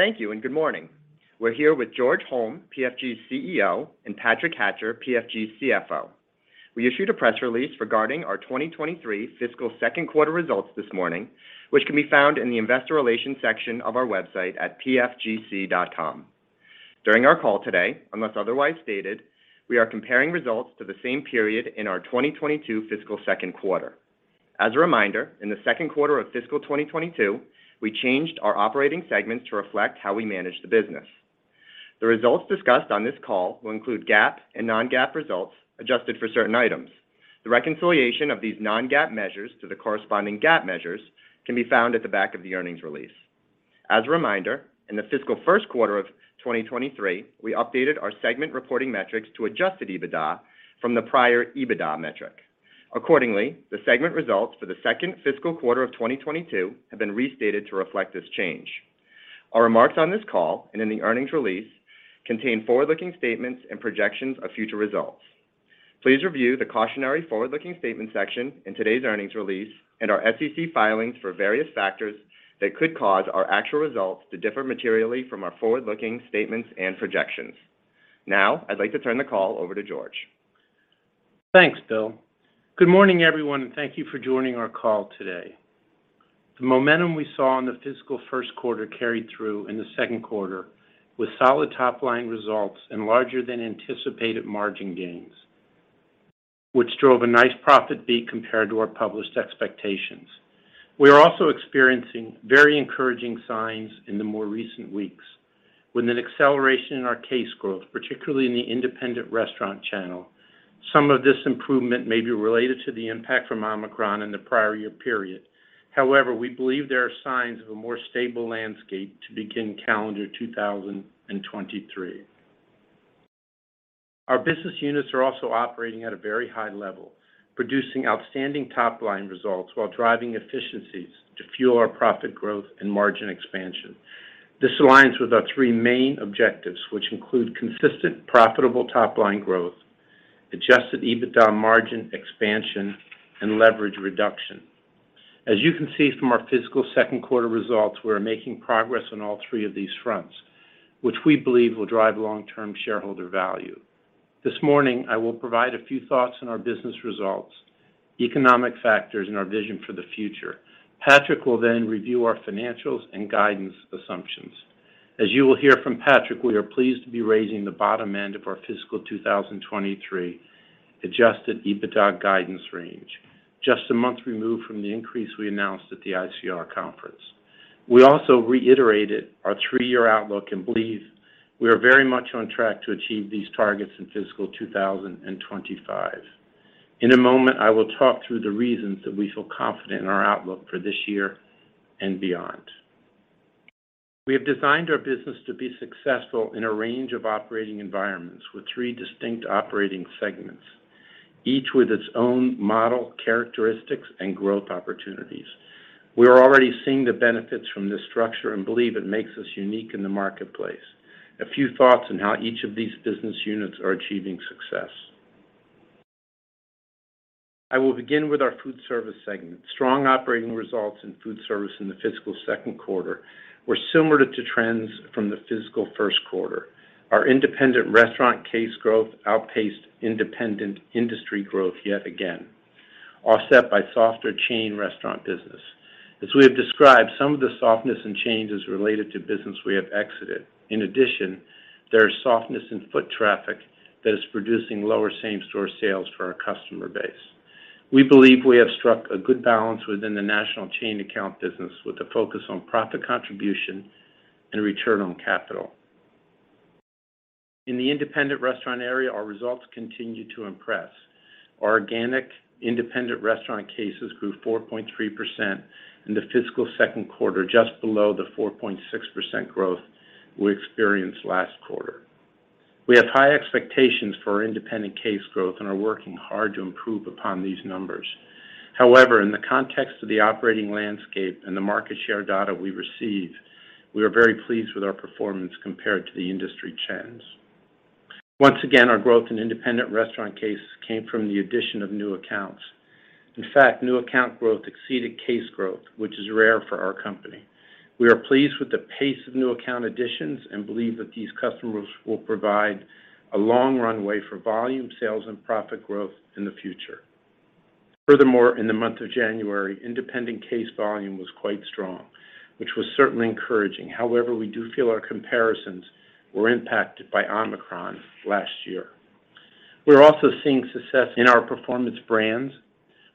Thank you and good morning. We're here with George Holm, PFG's CEO, and Patrick Hatcher, PFG's CFO. We issued a press release regarding our 2023 fiscal second quarter results this morning, which can be found in the investor relations section of our website at pfgc.com. During our call today, unless otherwise stated, we are comparing results to the same period in our 2022 fiscal second quarter. As a reminder, in the second quarter of fiscal 2022, we changed our operating segments to reflect how we manage the business. The results discussed on this call will include GAAP and non-GAAP results adjusted for certain items. The reconciliation of these non-GAAP measures to the corresponding GAAP measures can be found at the back of the earnings release. As a reminder, in the fiscal first quarter of 2023, we updated our segment reporting metrics to adjusted EBITDA from the prior EBITDA metric. Accordingly, the segment results for the second fiscal quarter of 2022 have been restated to reflect this change. Our remarks on this call and in the earnings release contain forward-looking statements and projections of future results. Please review the cautionary forward-looking statement section in today's earnings release and our SEC filings for various factors that could cause our actual results to differ materially from our forward-looking statements and projections. Now, I'd like to turn the call over to George. Thanks, Bill. Good morning, everyone, and thank you for joining our call today. The momentum we saw in the fiscal first quarter carried through in the second quarter with solid top-line results and larger-than-anticipated margin gains, which drove a nice profit beat compared to our published expectations. We are also experiencing very encouraging signs in the more recent weeks with an acceleration in our case growth, particularly in the independent restaurant channel. Some of this improvement may be related to the impact from Omicron in the prior year period. We believe there are signs of a more stable landscape to begin calendar 2023. Our business units are also operating at a very high level, producing outstanding top-line results while driving efficiencies to fuel our profit growth and margin expansion. This aligns with our three main objectives, which include consistent profitable top-line growth, adjusted EBITDA margin expansion, and leverage reduction. As you can see from our fiscal second quarter results, we are making progress on all three of these fronts, which we believe will drive long-term shareholder value. This morning, I will provide a few thoughts on our business results, economic factors, and our vision for the future. Patrick will then review our financials and guidance assumptions. As you will hear from Patrick, we are pleased to be raising the bottom end of our fiscal 2023 adjusted EBITDA guidance range. Just a month removed from the increase we announced at the ICR Conference. We also reiterated our three-year outlook and believe we are very much on track to achieve these targets in fiscal 2025. In a moment, I will talk through the reasons that we feel confident in our outlook for this year and beyond. We have designed our business to be successful in a range of operating environments with three distinct operating segments, each with its own model, characteristics, and growth opportunities. We are already seeing the benefits from this structure and believe it makes us unique in the marketplace. A few thoughts on how each of these business units are achieving success. I will begin with our Foodservice segment. Strong operating results in Foodservice in the fiscal second quarter were similar to trends from the fiscal first quarter. Our independent restaurant case growth outpaced independent industry growth yet again, offset by softer chain restaurant business. As we have described, some of the softness and change is related to business we have exited. In addition, there is softness in foot traffic that is producing lower same-store sales for our customer base. We believe we have struck a good balance within the national chain account business with a focus on profit contribution and return on capital. In the independent restaurant area, our results continue to impress. Our organic independent restaurant cases grew 4.3% in the fiscal second quarter, just below the 4.6% growth we experienced last quarter. We have high expectations for our independent case growth and are working hard to improve upon these numbers. However, in the context of the operating landscape and the market share data we receive, we are very pleased with our performance compared to the industry trends. Once again, our growth in independent restaurant cases came from the addition of new accounts. In fact, new account growth exceeded case growth, which is rare for our company. We are pleased with the pace of new account additions and believe that these customers will provide a long runway for volume sales and profit growth in the future. Furthermore, in the month of January, independent case volume was quite strong, which was certainly encouraging. However, we do feel our comparisons were impacted by Omicron last year. We're also seeing success in our Performance Brands,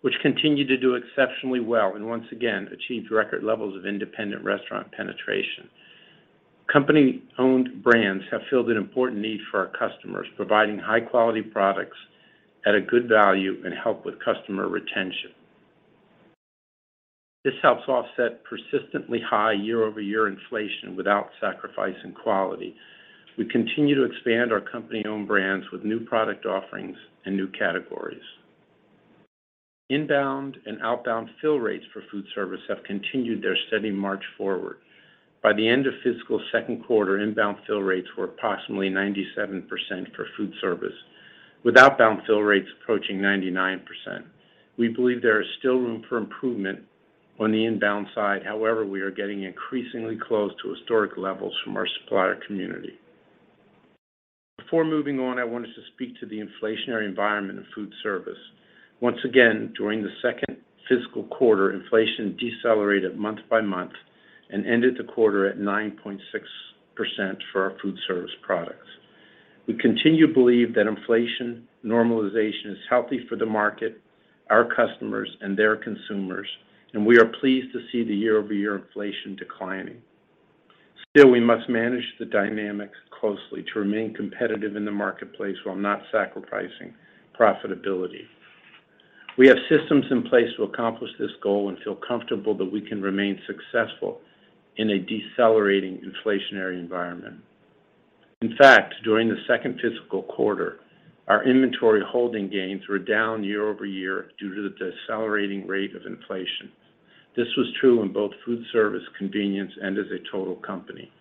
which continue to do exceptionally well and once again achieved record levels of independent restaurant penetration. Company-owned brands have filled an important need for our customers, providing high-quality products at a good value and help with customer retention. This helps offset persistently high year-over-year inflation without sacrificing quality. We continue to expand our company-owned brands with new product offerings and new categories. Inbound and outbound fill rates for Foodservice have continued their steady march forward. By the end of fiscal second quarter, inbound fill rates were approximately 97% for Foodservice. Without bound fill rates approaching 99%, we believe there is still room for improvement on the inbound side. However, we are getting increasingly close to historic levels from our supplier community. Before moving on, I wanted to speak to the inflationary environment of Foodservice. Once again, during the second fiscal quarter, inflation decelerated month-by-month and ended the quarter at 9.6% for our Foodservice products. We continue to believe that inflation normalization is healthy for the market, our customers, and their consumers, and we are pleased to see the year-over-year inflation declining. Still, we must manage the dynamics closely to remain competitive in the marketplace while not sacrificing profitability. We have systems in place to accomplish this goal and feel comfortable that we can remain successful in a decelerating inflationary environment. During the second fiscal quarter, our inventory holding gains were down year-over-year due to the decelerating rate of inflation. This was true in both Foodservice, Convenience, and as a total company.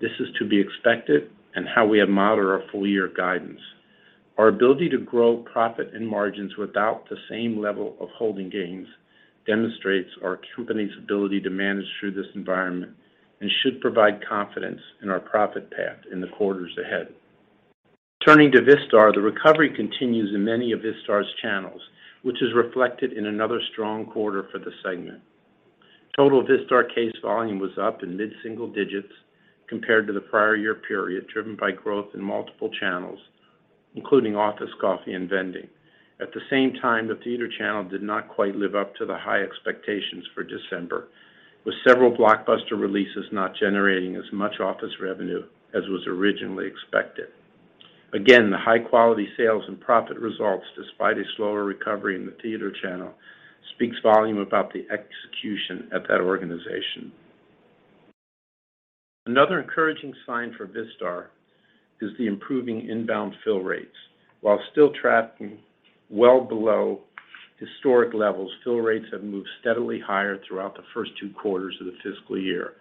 This is to be expected and how we have moderate our full-year guidance. Our ability to grow profit and margins without the same level of holding gains demonstrates our company's ability to manage through this environment and should provide confidence in our profit path in the quarters ahead. Turning to Vistar, the recovery continues in many of Vistar's channels, which is reflected in another strong quarter for the segment. Total Vistar case volume was up in mid-single digits compared to the prior year period, driven by growth in multiple channels, including office coffee, and vending. At the same time, the theater channel did not quite live up to the high expectations for December, with several blockbuster releases not generating as much office revenue as was originally expected. Again, the high-quality sales and profit results, despite a slower recovery in the theater channel, speaks volume about the execution at that organization. Another encouraging sign for Vistar is the improving inbound fill rates. While still tracking well below historic levels, fill rates have moved steadily higher throughout the first two quarters of the fiscal year,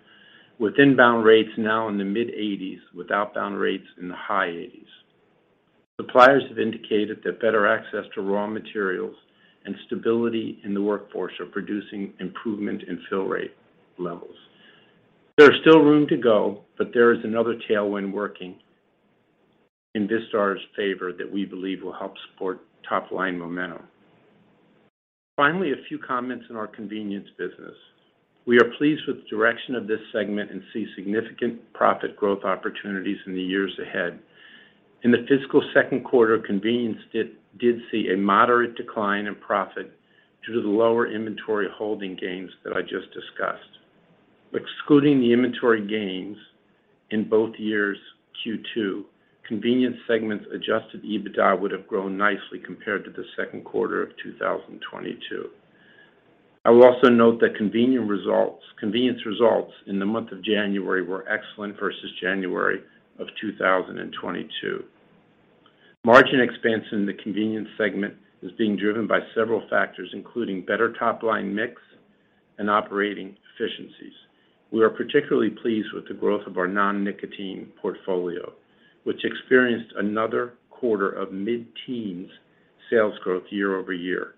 with inbound rates now in the mid-80s, without bound rates in the high 80s. Suppliers have indicated that better access to raw materials and stability in the workforce are producing improvement in fill rate levels. There's still room to go. There is another tailwind working in Vistar's favor that we believe will help support top-line momentum. Finally, a few comments in our Convenience business. We are pleased with the direction of this segment and see significant profit growth opportunities in the years ahead. In the fiscal second quarter, Convenience did see a moderate decline in profit due to the lower inventory holding gains that I just discussed. Excluding the inventory gains in both years, Q2, Convenience segments adjusted EBITDA would have grown nicely compared to the second quarter of 2022. I will also note that Convenience results in the month of January were excellent versus January of 2022. Margin expansion in the Convenience segment is being driven by several factors, including better top-line mix and operating efficiencies. We are particularly pleased with the growth of our non-nicotine portfolio, which experienced another quarter of mid-teens sales growth year-over-year.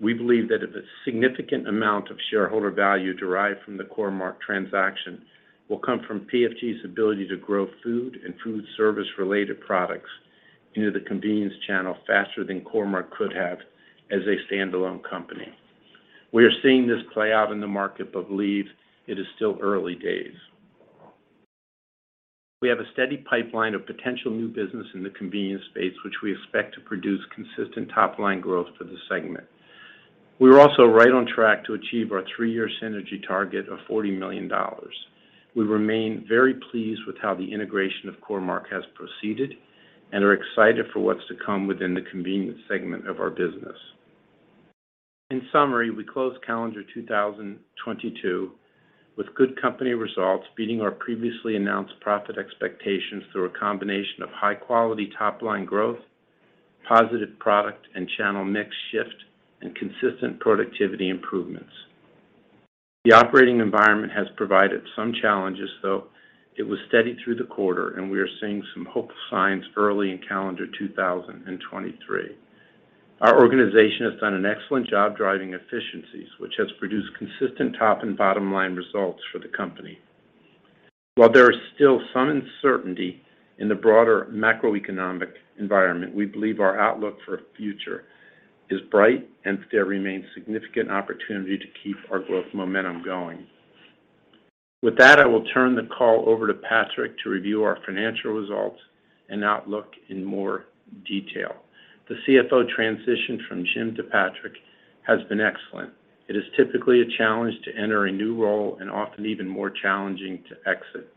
We believe that if a significant amount of shareholder value derived from the Core-Mark transaction will come from PFG's ability to grow food and Foodservice-related products into the Convenience channel faster than Core-Mark could have as a standalone company. We are seeing this play out in the market. Believe it is still early days. We have a steady pipeline of potential new business in the Convenience space, which we expect to produce consistent top-line growth for the segment. We are also right on track to achieve our three-year synergy target of $40 million. We remain very pleased with how the integration of Core-Mark has proceeded and are excited for what's to come within the Convenience segment of our business. In summary, we closed calendar 2022 with good company results, beating our previously announced profit expectations through a combination of high-quality top-line growth, positive product and channel mix shift, and consistent productivity improvements. The operating environment has provided some challenges, though it was steady through the quarter, and we are seeing some hopeful signs early in calendar 2023. Our organization has done an excellent job driving efficiencies, which has produced consistent top- and bottom-line results for the company. While there is still some uncertainty in the broader macroeconomic environment, we believe our outlook for future is bright and there remains significant opportunity to keep our growth momentum going. With that, I will turn the call over to Patrick to review our financial results and outlook in more detail. The CFO transition from Jim to Patrick has been excellent. It is typically a challenge to enter a new role and often even more challenging to exit.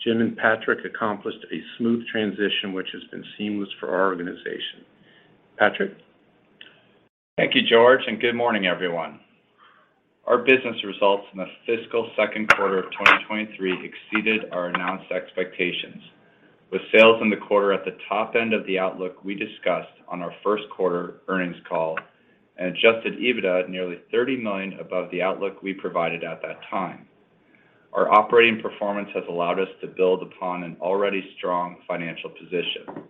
Jim and Patrick accomplished a smooth transition, which has been seamless for our organization. Patrick? Thank you, George. Good morning, everyone. Our business results in the fiscal second quarter of 2023 exceeded our announced expectations with sales in the quarter at the top end of the outlook we discussed on our first quarter earnings call and adjusted EBITDA at nearly $30 million above the outlook we provided at that time. Our operating performance has allowed us to build upon an already strong financial position.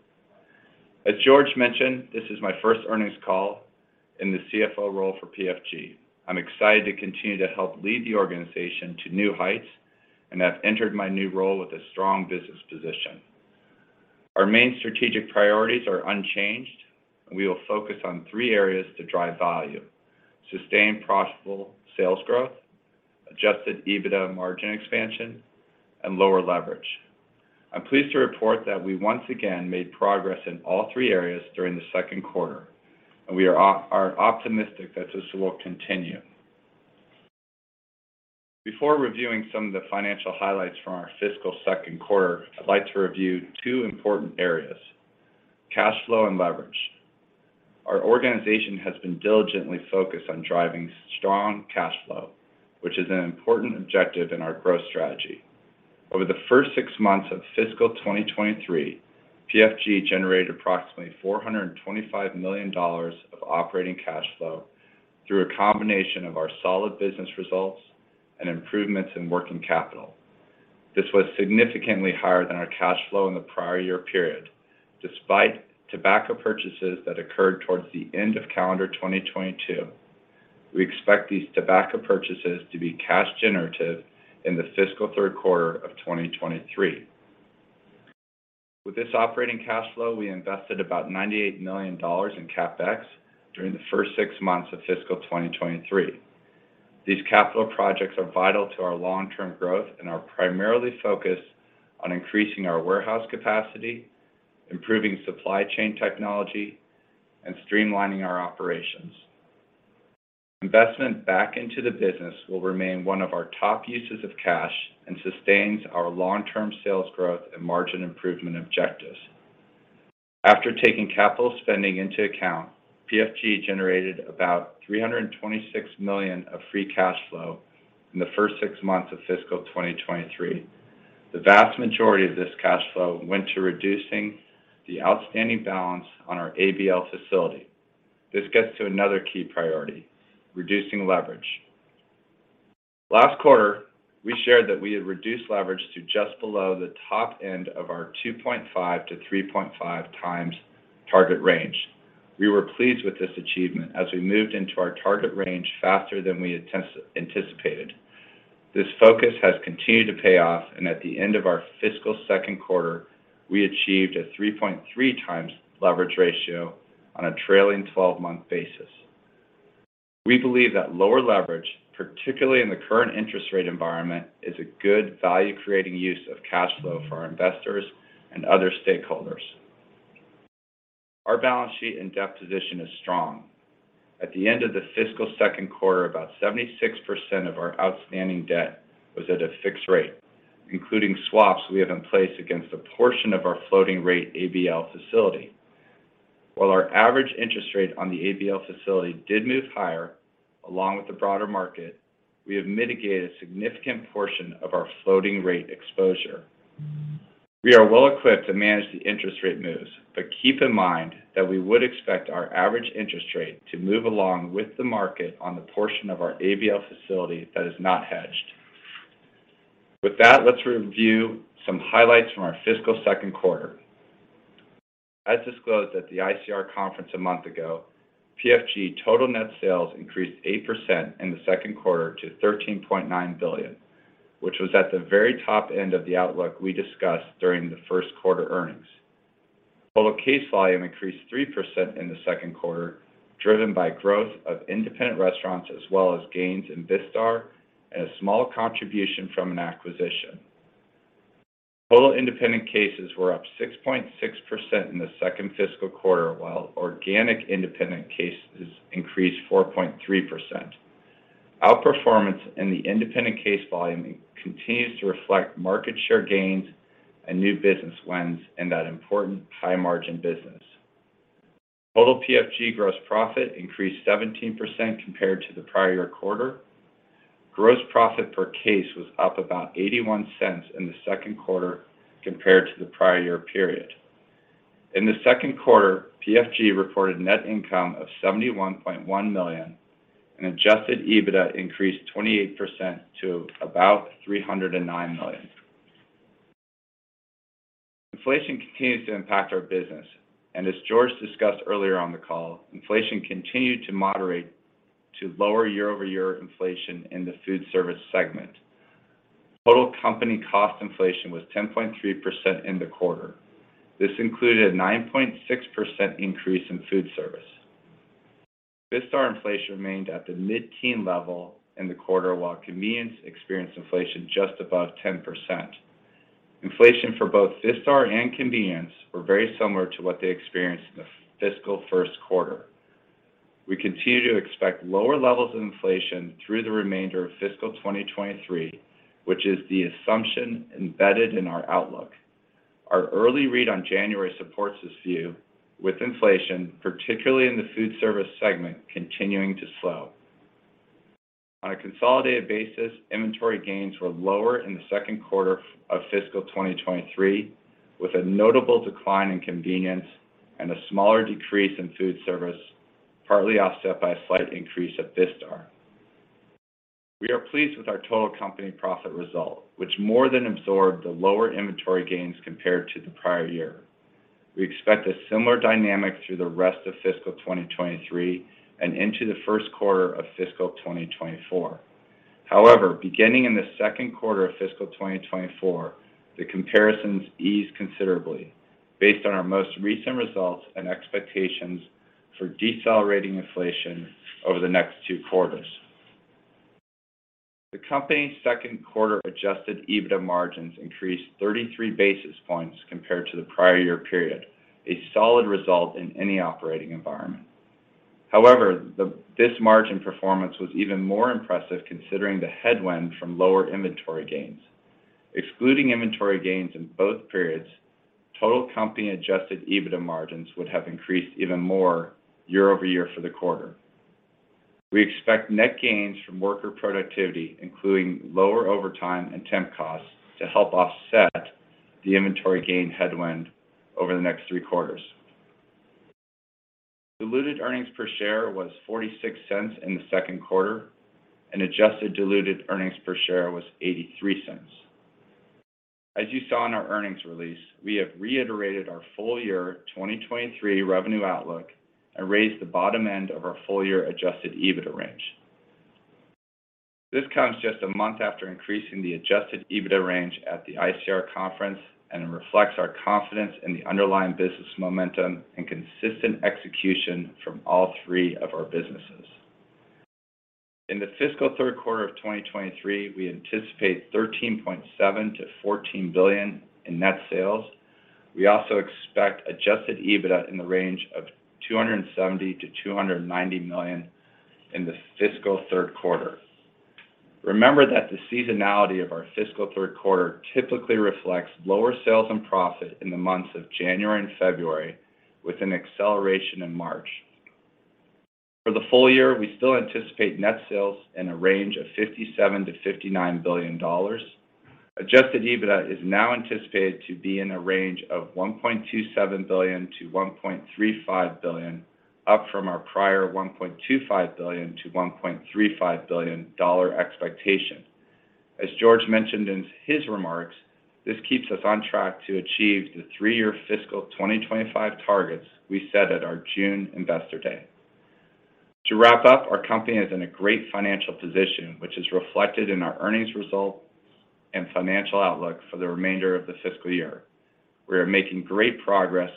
As George mentioned, this is my first earnings call in the CFO role for PFG. I'm excited to continue to help lead the organization to new heights, and have entered my new role with a strong business position. Our main strategic priorities are unchanged, and we will focus on three areas to drive value: sustained profitable sales growth, adjusted EBITDA margin expansion, and lower leverage. I'm pleased to report that we once again made progress in all three areas during the second quarter. We are optimistic that this will continue. Before reviewing some of the financial highlights from our fiscal second quarter, I'd like to review two important areas: cash flow and leverage. Our organization has been diligently focused on driving strong cash flow, which is an important objective in our growth strategy. Over the first six months of fiscal 2023, PFG generated approximately $425 million of operating cash flow through a combination of our solid business results and improvements in working capital. This was significantly higher than our cash flow in the prior year period. Despite tobacco purchases that occurred towards the end of calendar 2022, we expect these tobacco purchases to be cash generative in the fiscal third quarter of 2023. With this operating cash flow, we invested about $98 million in CapEx during the first six months of fiscal 2023. These capital projects are vital to our long-term growth and are primarily focused on increasing our warehouse capacity, improving supply chain technology, and streamlining our operations. Investment back into the business will remain one of our top uses of cash and sustains our long-term sales growth and margin improvement objectives. After taking capital spending into account, PFG generated about $326 million of free cash flow in the first six months of fiscal 2023. The vast majority of this cash flow went to reducing the outstanding balance on our ABL facility. This gets to another key priority, reducing leverage. Last quarter, we shared that we had reduced leverage to just below the top end of our 2.5x-3.5x target range. We were pleased with this achievement as we moved into our target range faster than we had anticipated. At the end of our fiscal second quarter, we achieved a 3.3x leverage ratio on a trailing twelve-month basis. We believe that lower leverage, particularly in the current interest rate environment, is a good value-creating use of cash flow for our investors and other stakeholders. Our balance sheet and debt position is strong. At the end of the fiscal second quarter, about 76% of our outstanding debt was at a fixed rate, including swaps we have in place against a portion of our floating rate ABL facility. While our average interest rate on the ABL facility did move higher, along with the broader market, we have mitigated a significant portion of our floating rate exposure. We are well equipped to manage the interest rate moves, but keep in mind that we would expect our average interest rate to move along with the market on the portion of our ABL facility that is not hedged. With that, let's review some highlights from our fiscal second quarter. As disclosed at the ICR Conference a month ago, PFG total net sales increased 8% in the second quarter to $13.9 billion, which was at the very top end of the outlook we discussed during the first quarter earnings. Total case volume increased 3% in the second quarter, driven by growth of independent restaurants as well as gains in Vistar, and a small contribution from an acquisition. Total independent cases were up 6.6% in the second fiscal quarter, while organic independent cases increased 4.3%. Outperformance in the independent case volume continues to reflect market share gains and new business wins in that important high-margin business. Total PFG gross profit increased 17% compared to the prior quarter. Gross profit per case was up about $0.81 in the second quarter compared to the prior year period. In the second quarter, PFG reported net income of $71.1 million, and adjusted EBITDA increased 28% to about $309 million. Inflation continues to impact our business. As George discussed earlier on the call, inflation continued to moderate to lower year-over-year inflation in the Foodservice segment. Total company cost inflation was 10.3% in the quarter. This included a 9.6% increase in Foodservice. Vistar inflation remained at the mid-teen level in the quarter, while Convenience experienced inflation just above 10%. Inflation for both Vistar and Convenience were very similar to what they experienced in the fiscal first quarter. We continue to expect lower levels of inflation through the remainder of fiscal 2023, which is the assumption embedded in our outlook. Our early read on January supports this view with inflation, particularly in the Foodservice segment, continuing to slow. On a consolidated basis, inventory gains were lower in the second quarter of fiscal 2023, with a notable decline in Convenience and a smaller decrease in Foodservice. Partly offset by a slight increase at Vistar. We are pleased with our total company profit result, which more than absorbed the lower inventory gains compared to the prior year. We expect a similar dynamic through the rest of fiscal 2023 and into the first quarter of fiscal 2024. Beginning in the second quarter of fiscal 2024, the comparisons ease considerably based on our most recent results and expectations for decelerating inflation over the next two quarters. The company's second quarter adjusted EBITDA margins increased 33 basis points compared to the prior year period, a solid result in any operating environment. This margin performance was even more impressive considering the headwind from lower inventory gains. Excluding inventory gains in both periods, total company adjusted EBITDA margins would have increased even more year-over-year for the quarter. We expect net gains from worker productivity, including lower overtime and temp costs to help offset the inventory gain headwind over the next three quarters. Diluted earnings per share was $0.46 in the second quarter, and adjusted diluted earnings per share was $0.83. As you saw in our earnings release, we have reiterated our full year 2023 revenue outlook and raised the bottom end of our full-year adjusted EBITDA range. This comes just a month after increasing the adjusted EBITDA range at the ICR Conference, and it reflects our confidence in the underlying business momentum and consistent execution from all three of our businesses. In the fiscal third quarter of 2023, we anticipate $13.7 billion-$14 billion in net sales. We also expect adjusted EBITDA in the range of $270 million-$290 million in the fiscal third quarter. Remember that the seasonality of our fiscal third quarter typically reflects lower sales and profit in the months of January and February, with an acceleration in March. For the full year, we still anticipate net sales in a range of $57 billion-$59 billion. Adjusted EBITDA is now anticipated to be in a range of $1.27 billion-$1.35 billion, up from our prior $1.25 billion-$1.35 billion expectation. As George mentioned in his remarks, this keeps us on track to achieve the three-year fiscal 2025 targets we set at our June investor day. To wrap up, our company is in a great financial position, which is reflected in our earnings result and financial outlook for the remainder of the fiscal year. We are making great progress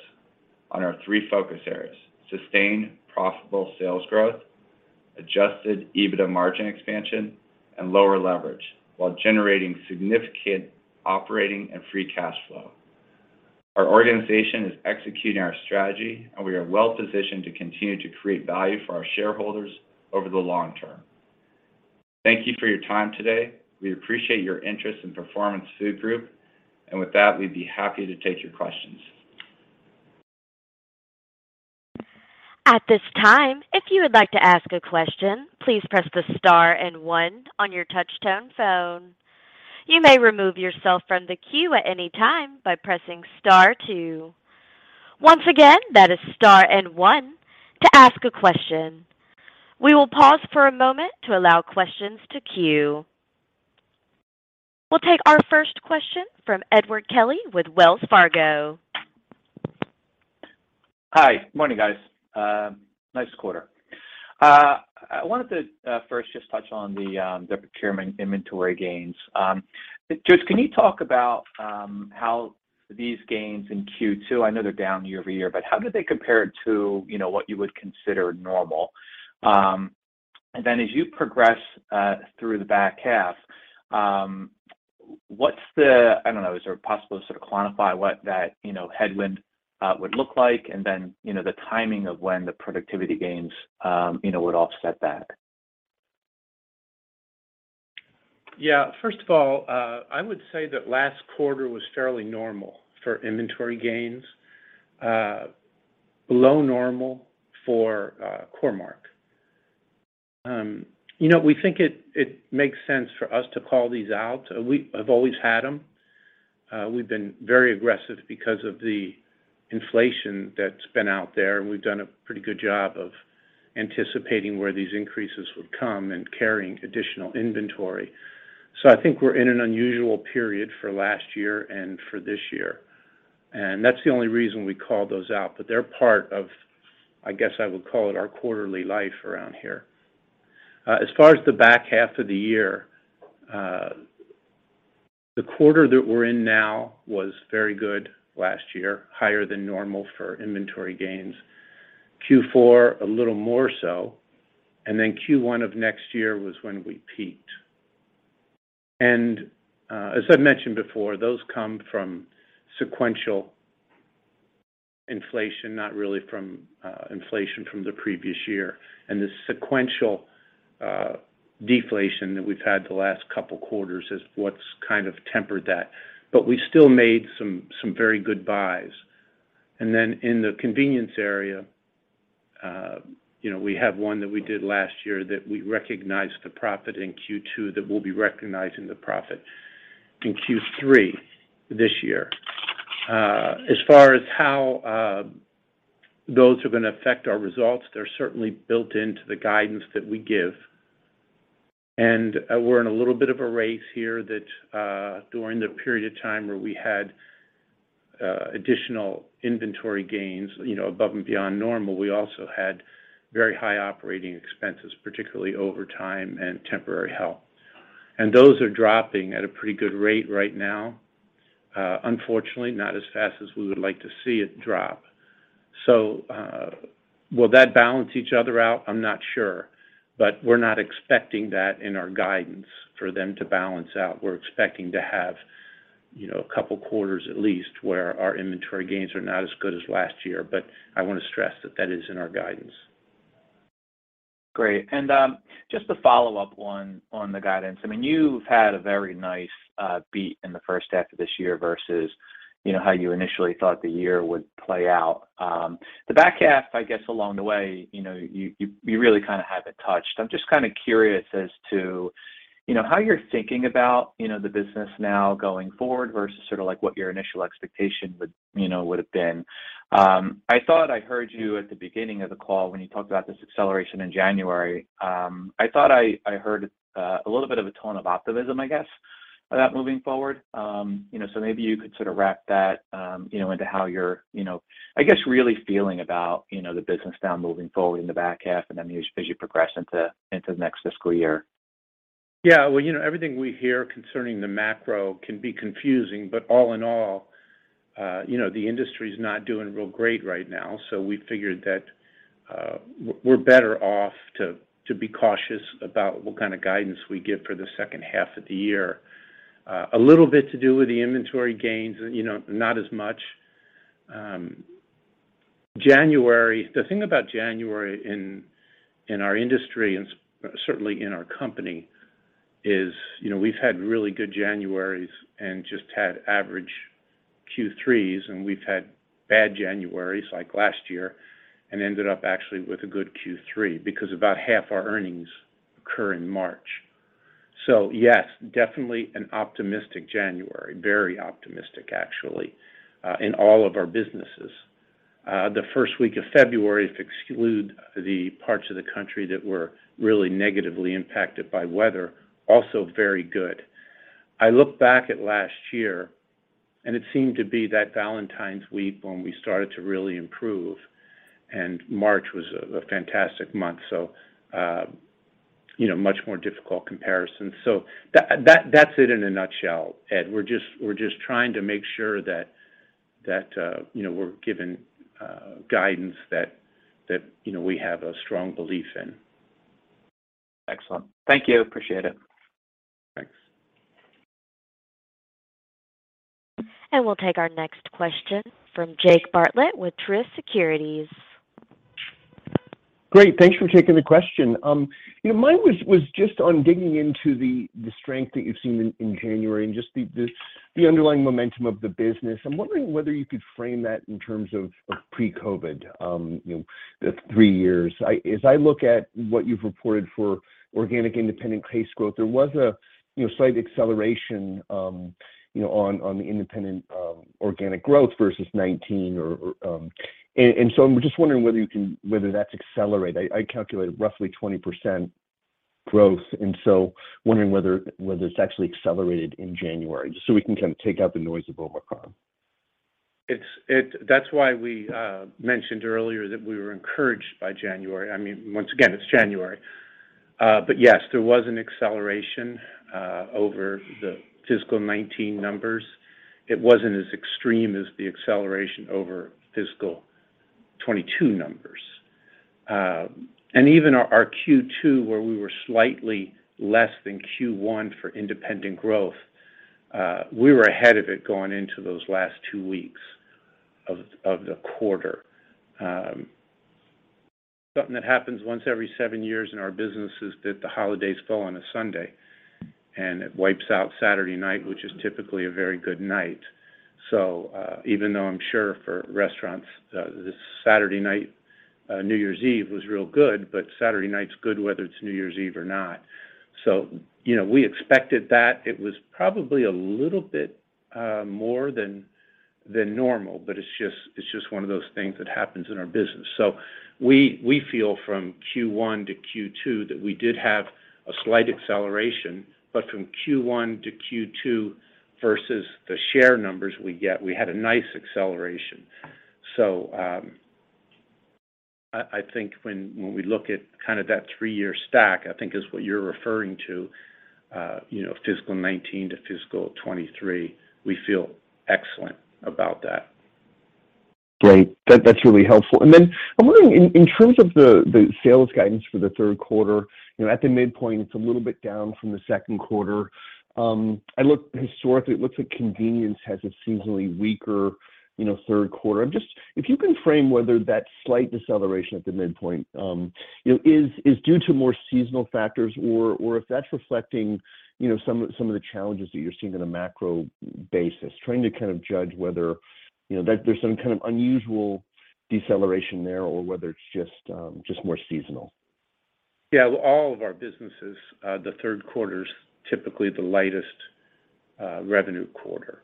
on our three focus areas: sustained profitable sales growth, adjusted EBITDA margin expansion, and lower leverage, while generating significant operating and free cash flow. Our organization is executing our strategy, and we are well positioned to continue to create value for our shareholders over the long term. Thank you for your time today. We appreciate your interest in Performance Food Group, and with that, we'd be happy to take your questions. At this time, if you would like to ask a question, please press the star and one on your touch-tone phone. You may remove yourself from the queue at any time by pressing star two. Once again, that is star and one to ask a question. We will pause for a moment to allow questions to queue. We'll take our first question from Edward Kelly with Wells Fargo. Hi. Morning, guys. Nice quarter. I wanted to first just touch on the procurement inventory gains. George Holm, can you talk about how these gains in Q2, I know they're down year over year, but how do they compare to, you know, what you would consider normal? Then as you progress through the back half, I don't know, is it possible to sort of quantify what that, you know, headwind would look like? Then, you know, the timing of when the productivity gains, you know, would offset that. First of all, I would say that last quarter was fairly normal for inventory gains, below normal for Core-Mark. You know, we think it makes sense for us to call these out. We have always had them. We've been very aggressive because of the inflation that's been out there, and we've done a pretty good job of anticipating where these increases would come and carrying additional inventory. I think we're in an unusual period for last year and for this year, and that's the only reason we call those out. They're part of, I guess, I would call it our quarterly life around here. As far as the back half of the year, the quarter that we're in now was very good last year, higher than normal for inventory gains. Q4, a little more so, Q1 of next year was when we peaked. As I mentioned before, those come from sequential inflation, not really from inflation from the previous year. The sequential deflation that we've had the last couple quarters is what's kind of tempered that. We still made some very good buys. In the Convenience area, you know, we have one that we did last year that we recognized the profit in Q2 that we'll be recognizing the profit in Q3 this year. As far as how those are going to affect our results, they're certainly built into the guidance that we give. We're in a little bit of a race here that during the period of time where we had additional inventory gains, you know, above and beyond normal, we also had very high operating expenses, particularly overtime and temporary help. Those are dropping at a pretty good rate right now. Unfortunately, not as fast as we would like to see it drop. Will that balance each other out? I'm not sure. We're not expecting that in our guidance for them to balance out. We're expecting to have, you know, a couple quarters at least where our inventory gains are not as good as last year. I want to stress that that is in our guidance. Great. Just to follow up on the guidance, I mean, you've had a very nice beat in the first half of this year versus, you know, how you initially thought the year would play out. The back half, I guess, along the way, you know, you really kind of haven't touched. I'm just kind of curious as to, you know, how you're thinking about, you know, the business now going forward versus sort of like what your initial expectation would, you know, would have been. I thought I heard you at the beginning of the call when you talked about this acceleration in January. I thought I heard a little bit of a tone of optimism, I guess, about moving forward. You know, maybe you could sort of wrap that, you know, into how you're, you know, I guess, really feeling about, you know, the business now moving forward in the back half and then as you progress into the next fiscal year. Yeah. Well, you know, everything we hear concerning the macro can be confusing, but all in all, you know, the industry's not doing real great right now. We figured that we're better off to be cautious about what kind of guidance we give for the second half of the year. A little bit to do with the inventory gains, you know, not as much. The thing about January in our industry and certainly in our company is, you know, we've had really good Januarys and just had average Q3s, and we've had bad Januarys, like last year, and ended up actually with a good Q3 because about half our earnings occur in March. Yes, definitely an optimistic January. Very optimistic, actually, in all of our businesses. The first week of February to exclude the parts of the country that were really negatively impacted by weather, also very good. I look back at last year. It seemed to be that Valentine's week when we started to really improve. March was a fantastic month. You know, much more difficult comparison. That's it in a nutshell, Ed. We're just trying to make sure that, you know, we're giving guidance that, you know, we have a strong belief in. Excellent. Thank you. Appreciate it. Thanks. We'll take our next question from Jake Bartlett with Truist Securities. Great. Thanks for taking the question. You know, mine was just on digging into the strength that you've seen in January and just the underlying momentum of the business. I'm wondering whether you could frame that in terms of pre-COVID, you know, the three years. As I look at what you've reported for organic independent case growth, there was a, you know, slight acceleration, you know, on the independent organic growth versus 2019 or... I'm just wondering whether that's accelerated. I calculated roughly 20% growth, wondering whether it's actually accelerated in January, just so we can kind of take out the noise of Omicron. It's, that's why we mentioned earlier that we were encouraged by January. I mean, once again, it's January. Yes, there was an acceleration over the fiscal 2019 numbers. It wasn't as extreme as the acceleration over fiscal 2022 numbers. Even our Q2, where we were slightly less than Q1 for independent growth, we were ahead of it going into those last two weeks of the quarter. Something that happens once every seven years in our business is that the holidays fall on a Sunday, and it wipes out Saturday night, which is typically a very good night. Even though I'm sure for restaurants, this Saturday night, New Year's Eve was real good, but Saturday night's good whether it's New Year's Eve or not. You know, we expected that. It was probably a little bit more than normal, but it's just one of those things that happens in our business. We feel from Q1 to Q2 that we did have a slight acceleration. From Q1 to Q2 versus the share numbers we get, we had a nice acceleration. I think when we look at kind of that three-year stack, I think is what you're referring to, you know, fiscal 2019 to fiscal 2023, we feel excellent about that. Great. That's really helpful. Then I'm wondering in terms of the sales guidance for the third quarter, you know, at the midpoint, it's a little bit down from the second quarter. I looked historically. It looks like Convenience has a seasonally weaker, you know, third quarter. If you can frame whether that slight deceleration at the midpoint, you know, is due to more seasonal factors or if that's reflecting, you know, some of the challenges that you're seeing on a macro basis. Trying to kind of judge whether, you know, that there's some kind of unusual deceleration there or whether it's just more seasonal. Yeah, all of our businesses, the third quarter is typically the lightest revenue quarter.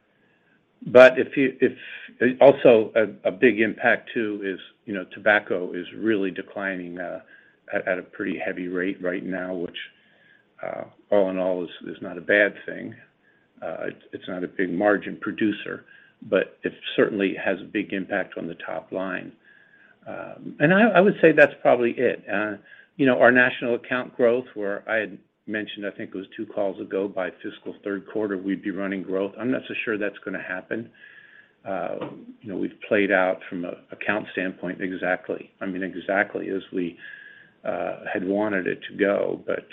Also a big impact too is, you know, tobacco is really declining at a pretty heavy rate right now, which all in all is not a bad thing. It's not a big margin producer, but it certainly has a big impact on the top line. I would say that's probably it. You know, our national account growth where I had mentioned, I think it was two calls ago by fiscal third quarter, we'd be running growth. I'm not so sure that's gonna happen. You know, we've played out from an account standpoint exactly, I mean, exactly as we had wanted it to go, but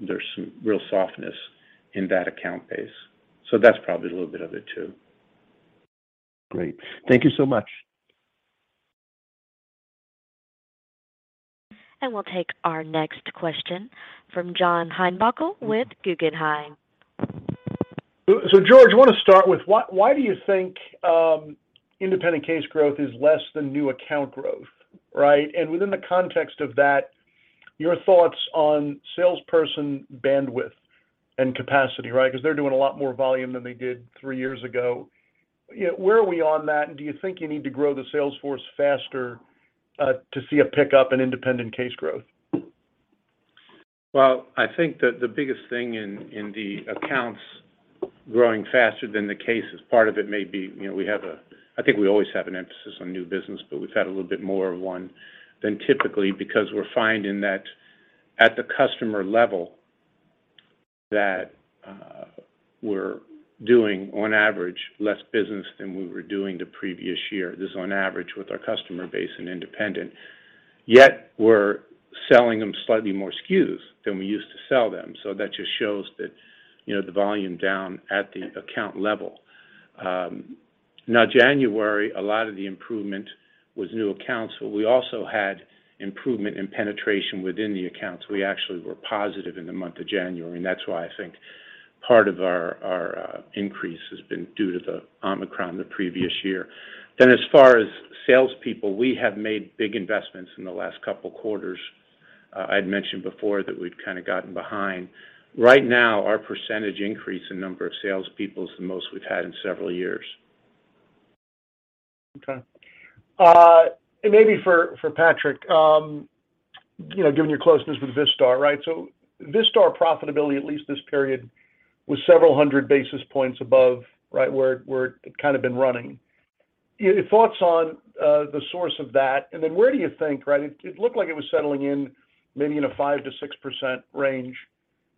there's some real softness in that account base. That's probably a little bit of it too. Great. Thank you so much. We'll take our next question from John Heinbockel with Guggenheim. George, I wanna start with why do you think independent case growth is less than new account growth, right? Within the context of that, your thoughts on salesperson bandwidth and capacity, right? 'Cause they're doing a lot more volume than they did three years ago. You know, where are we on that, and do you think you need to grow the sales force faster to see a pickup in independent case growth? Well, I think that the biggest thing in the accounts growing faster than the cases, part of it may be, you know, I think we always have an emphasis on new business, but we've had a little bit more of one than typically because we're finding that at the customer level that we're doing on average less business than we were doing the previous year. This is on average with our customer base and independent. We're selling them slightly more SKUs than we used to sell them. That just shows that, you know, the volume down at the account level. Now January, a lot of the improvement was new accounts, but we also had improvement in penetration within the accounts. We actually were positive in the month of January, and that's why I think part of our increase has been due to the Omicron the previous year. As far as salespeople, we have made big investments in the last couple quarters. I'd mentioned before that we'd kind of gotten behind. Right now, our percentage increase in number of salespeople is the most we've had in several years. And maybe for Patrick, you know, given your closeness with Vistar, right? Vistar profitability, at least this period, was several hundred basis points above, right, where it kind of been running. Your thoughts on the source of that, and then where do you think, right? It looked like it was settling in maybe in a 5%-6% range,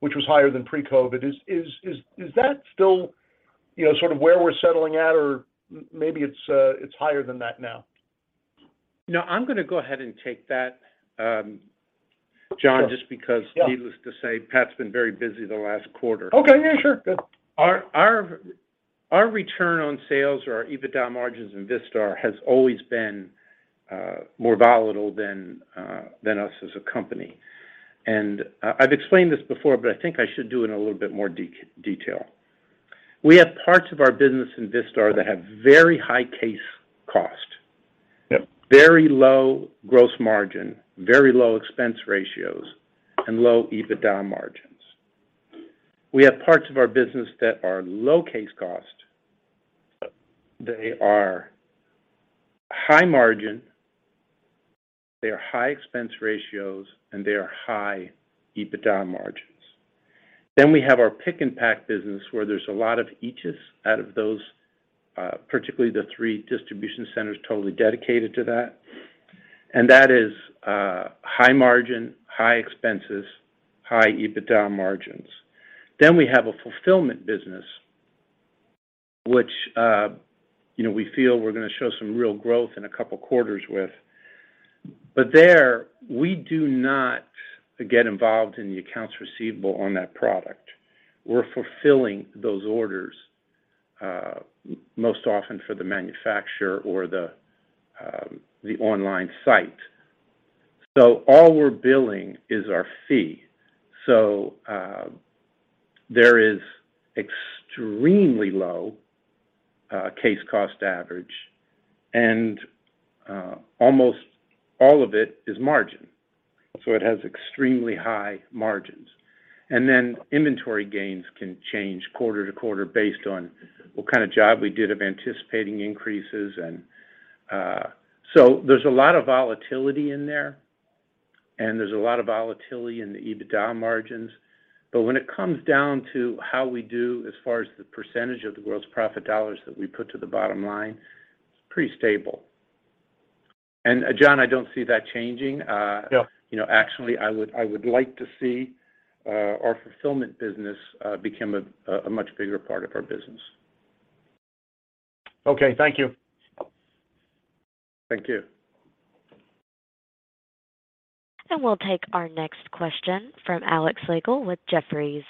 which was higher than pre-COVID. Is that still, you know, sort of where we're settling at, or maybe it's higher than that now? You know, I'm gonna go ahead and take that, John, just because needless to say, Pat's been very busy the last quarter. Okay. Yeah, sure. Go ahead. Our return on sales or our EBITDA margins in Vistar has always been more volatile than us as a company. I've explained this before, but I think I should do it in a little bit more detail. We have parts of our business in Vistar that have very high case cost. Yep. Very low gross margin, very low expense ratios, and low EBITDA margins. We have parts of our business that are low case cost. They are high margin, they are high expense ratios, and they are high EBITDA margins. We have our pick and pack business where there's a lot of eachs out of those, particularly the three distribution centers totally dedicated to that. That is high margin, high expenses, high EBITDA margins. We have a fulfillment business, which, you know, we feel we're gonna show some real growth in a couple quarters with. There we do not get involved in the accounts receivable on that product. We're fulfilling those orders, most often for the manufacturer or the online site. All we're billing is our fee. There is extremely low case cost average, and almost all of it is margin. It has extremely high margins. Inventory gains can change quarter to quarter based on what kind of job we did of anticipating increases. There's a lot of volatility in there, and there's a lot of volatility in the EBITDA margins. When it comes down to how we do as far as the percentage of the world's profit dollars that we put to the bottom line, it's pretty stable. John, I don't see that changing. Yeah. You know, actually, I would like to see our fulfillment business become a much bigger part of our business. Okay. Thank you. Thank you. We'll take our next question from Alex Slagle with Jefferies.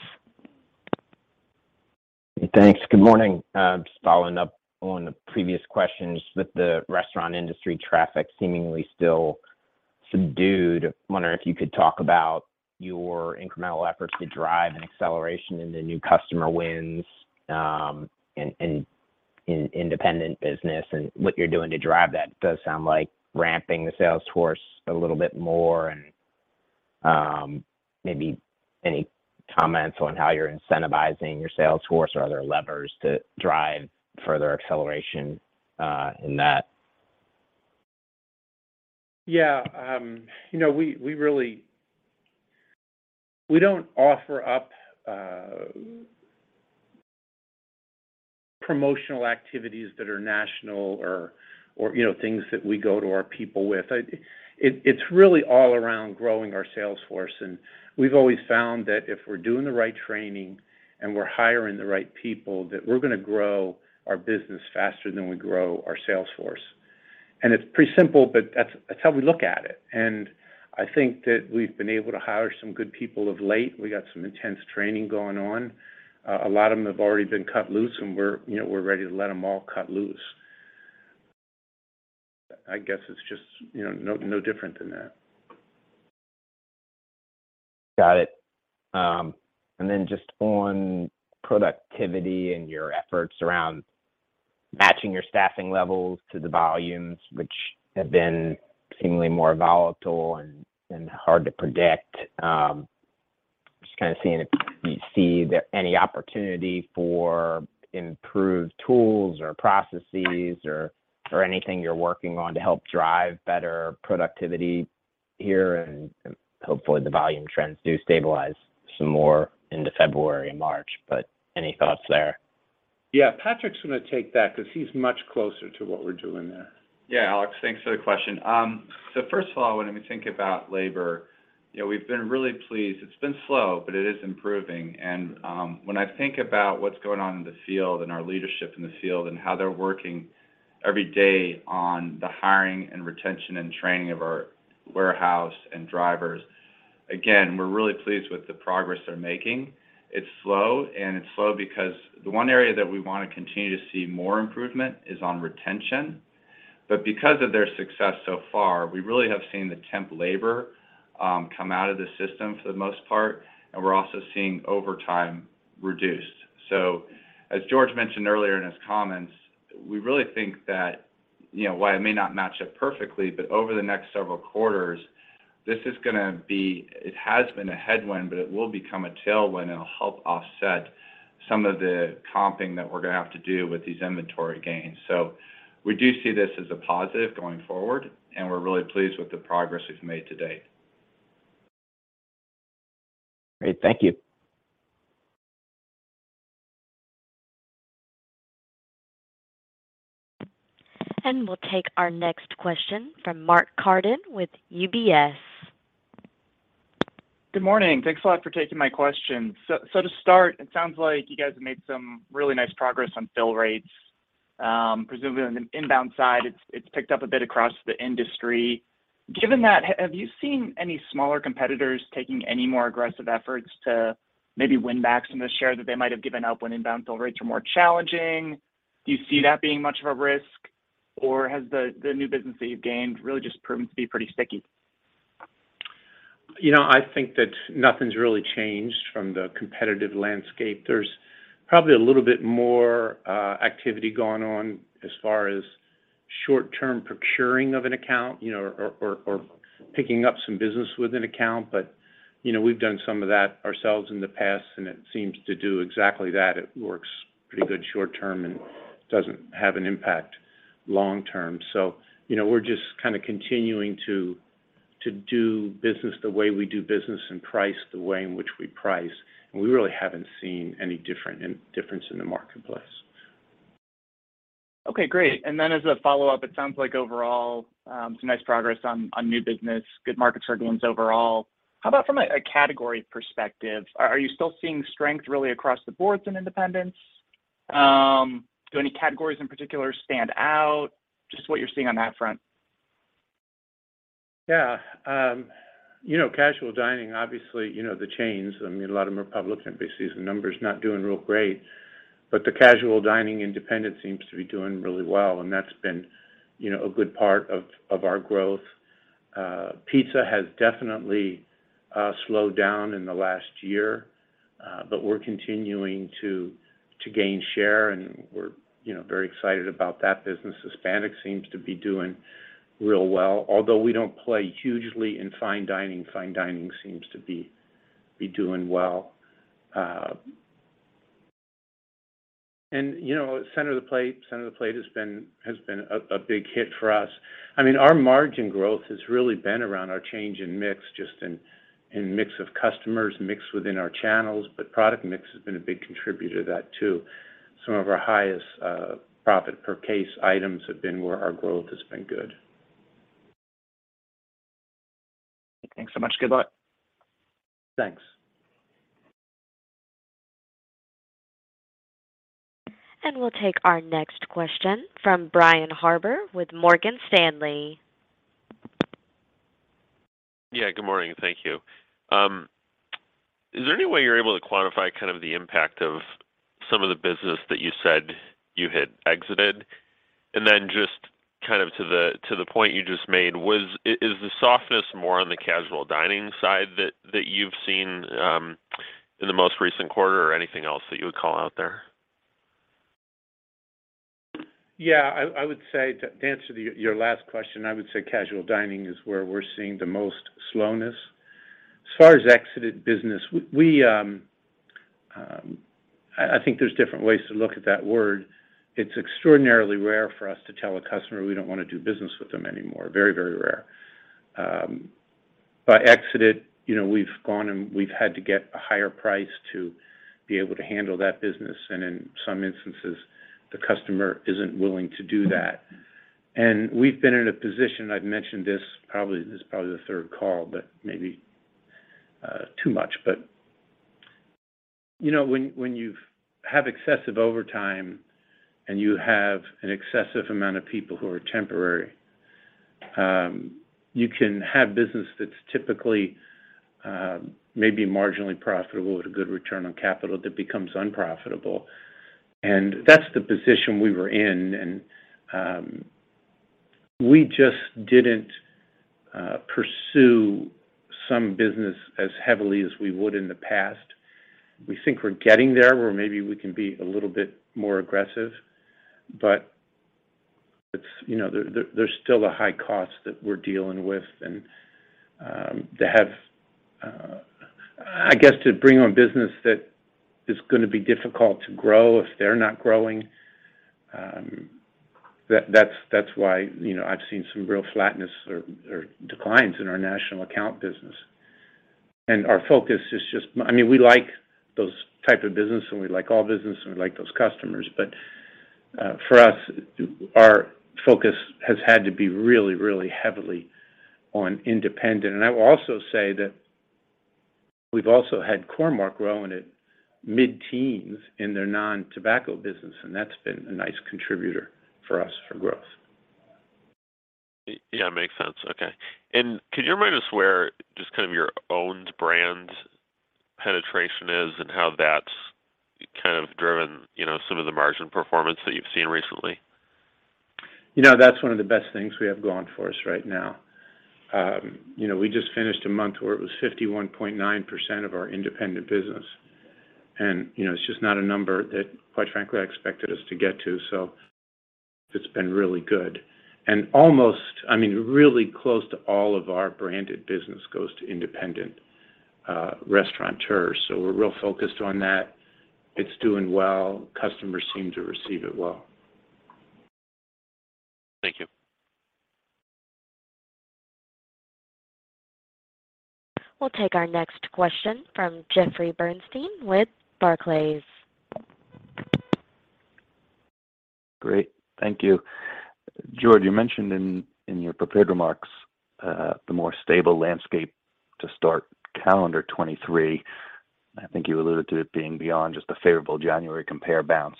Thanks. Good morning. Just following up on the previous questions with the restaurant industry traffic seemingly still subdued, wondering if you could talk about your incremental efforts to drive an acceleration in the new customer wins, and in independent business and what you're doing to drive that does sound like ramping the sales force a little bit more. Maybe any comments on how you're incentivizing your sales force or other levers to drive further acceleration in that? Yeah. You know, we don't offer up promotional activities that are national or, you know, things that we go to our people with. It's really all around growing our sales force, we've always found that if we're doing the right training and we're hiring the right people, that we're gonna grow our business faster than we grow our sales force. It's pretty simple, but that's how we look at it. I think that we've been able to hire some good people of late. We got some intense training going on. A lot of them have already been cut loose, and we're, you know, we're ready to let them all cut loose. I guess it's just, you know, no different than that. Got it. Just on productivity and your efforts around matching your staffing levels to the volumes, which have been seemingly more volatile and hard to predict. Just kinda seeing if you see there any opportunity for improved tools or processes or anything you're working on to help drive better productivity here. Hopefully the volume trends do stabilize some more into February and March, but any thoughts there? Yeah. Patrick's gonna take that 'cause he's much closer to what we're doing there. Yeah, Alex, thanks for the question. First of all, when we think about labor, you know, we've been really pleased. It's been slow, but it is improving. When I think about what's going on in the field and our leadership in the field and how they're working every day on the hiring and retention and training of our warehouse and drivers, again, we're really pleased with the progress they're making. It's slow, and it's slow because the one area that we wanna continue to see more improvement is on retention. Because of their success so far, we really have seen the temp labor, come out of the system for the most part, and we're also seeing overtime reduced. As George mentioned earlier in his comments, we really think that, you know, while it may not match up perfectly, but over the next several quarters, it has been a headwind, but it will become a tailwind, and it'll help offset some of the comping that we're gonna have to do with these inventory gains. We do see this as a positive going forward, and we're really pleased with the progress we've made to date. Great. Thank you. We'll take our next question from Mark Carden with UBS. Good morning. Thanks a lot for taking my question. To start, it sounds like you guys have made some really nice progress on fill rates, presumably on the inbound side. It's picked up a bit across the industry. Given that, have you seen any smaller competitors taking any more aggressive efforts to maybe win back some of the share that they might have given up when inbound fill rates were more challenging? Do you see that being much of a risk, or has the new business that you've gained really just proven to be pretty sticky? You know, I think that nothing's really changed from the competitive landscape. There's probably a little bit more activity going on as far as short-term procuring of an account, you know, or picking up some business with an account. You know, we've done some of that ourselves in the past, and it seems to do exactly that. It works pretty good short term and doesn't have an impact long term. You know, we're just kinda continuing to do business the way we do business and price the way in which we price, and we really haven't seen any difference in the marketplace. Okay, great. As a follow-up, it sounds like overall, some nice progress on new business, good market share gains overall. How about from a category perspective? Are you still seeing strength really across the boards in independents? Do any categories in particular stand out? Just what you're seeing on that front? Yeah. You know, casual dining, obviously, you know, the chains, I mean, a lot of them are public, and we see the numbers not doing real great. The casual dining independent seems to be doing really well, and that's been, you know, a good part of our growth. Pizza has definitely slowed down in the last year, but we're continuing to gain share, and we're, you know, very excited about that business. Hispanic seems to be doing real well. Although we don't play hugely in fine dining, fine dining seems to be doing well. And, you know, center of the plate has been a big hit for us. I mean, our margin growth has really been around our change in mix, just in mix of customers, mix within our channels, but product mix has been a big contributor to that too. Some of our highest profit per case items have been where our growth has been good. Thanks so much. Goodbye. Thanks. We'll take our next question from Brian Harbour with Morgan Stanley. Yeah, good morning. Thank you. Is there any way you're able to quantify kind of the impact of some of the business that you said you had exited? Just kind of to the, to the point you just made, is the softness more on the casual dining side that you've seen? In the most recent quarter or anything else that you would call out there? Yeah. I would say, to answer your last question, I would say casual dining is where we're seeing the most slowness. As far as exited business, we I think there's different ways to look at that word. It's extraordinarily rare for us to tell a customer we don't wanna do business with them anymore. Very, very rare. By exited, you know, we've gone and we've had to get a higher price to be able to handle that business, and in some instances, the customer isn't willing to do that. We've been in a position, I've mentioned this is probably the third call, but maybe, too much. You know, when you have excessive overtime and you have an excessive amount of people who are temporary, you can have business that's typically maybe marginally profitable with a good return on capital that becomes unprofitable. That's the position we were in, and we just didn't pursue some business as heavily as we would in the past. We think we're getting there, where maybe we can be a little bit more aggressive. It's, you know, there's still a high cost that we're dealing with and, I guess, to bring on business that is gonna be difficult to grow if they're not growing, that's why, you know, I've seen some real flatness or declines in our national account business. Our focus is just, I mean, we like those type of business, and we like all business, and we like those customers. For us, our focus has had to be really heavily on independent. I will also say that we've also had Core-Mark growing at mid-teens in their non-tobacco business, and that's been a nice contributor for us for growth. Yeah, makes sense. Okay. Could you remind us where just kind of your own brand penetration is and how that's kind of driven, you know, some of the margin performance that you've seen recently? You know, that's one of the best things we have going for us right now. You know, we just finished a month where it was 51.9% of our independent business. You know, it's just not a number that, quite frankly, I expected us to get to, so it's been really good. I mean, really close to all of our branded business goes to independent restaurateurs. We're real focused on that. It's doing well. Customers seem to receive it well. Thank you. We'll take our next question from Jeffrey Bernstein with Barclays. Great. Thank you. George, you mentioned in your prepared remarks, the more stable landscape to start calendar 2023. I think you alluded to it being beyond just a favorable January compare bounce.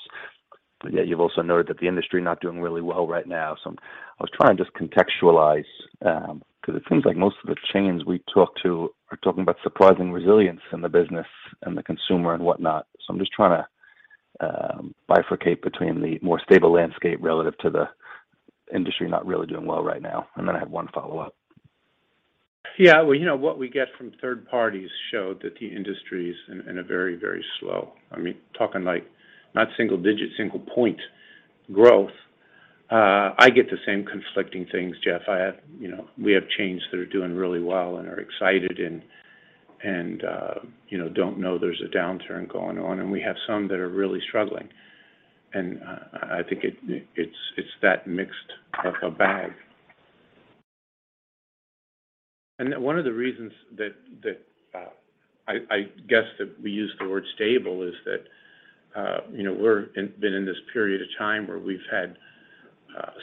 You've also noted that the industry not doing really well right now. I was trying to just contextualize 'cause it seems like most of the chains we talk to are talking about surprising resilience in the business and the consumer and whatnot. I'm just trying to bifurcate between the more stable landscape relative to the industry not really doing well right now. I have one follow-up. Yeah. Well, you know, what we get from third parties show that the industry's in a very, very slow. I mean, talking like not single-digit, single point growth. I get the same conflicting things, Jeff. I have, you know, we have chains that are doing really well and are excited and, you know, don't know there's a downturn going on, and we have some that are really struggling. I think it's that mixed of a bag. One of the reasons that I guess that we use the word stable is that, you know, we've been in this period of time where we've had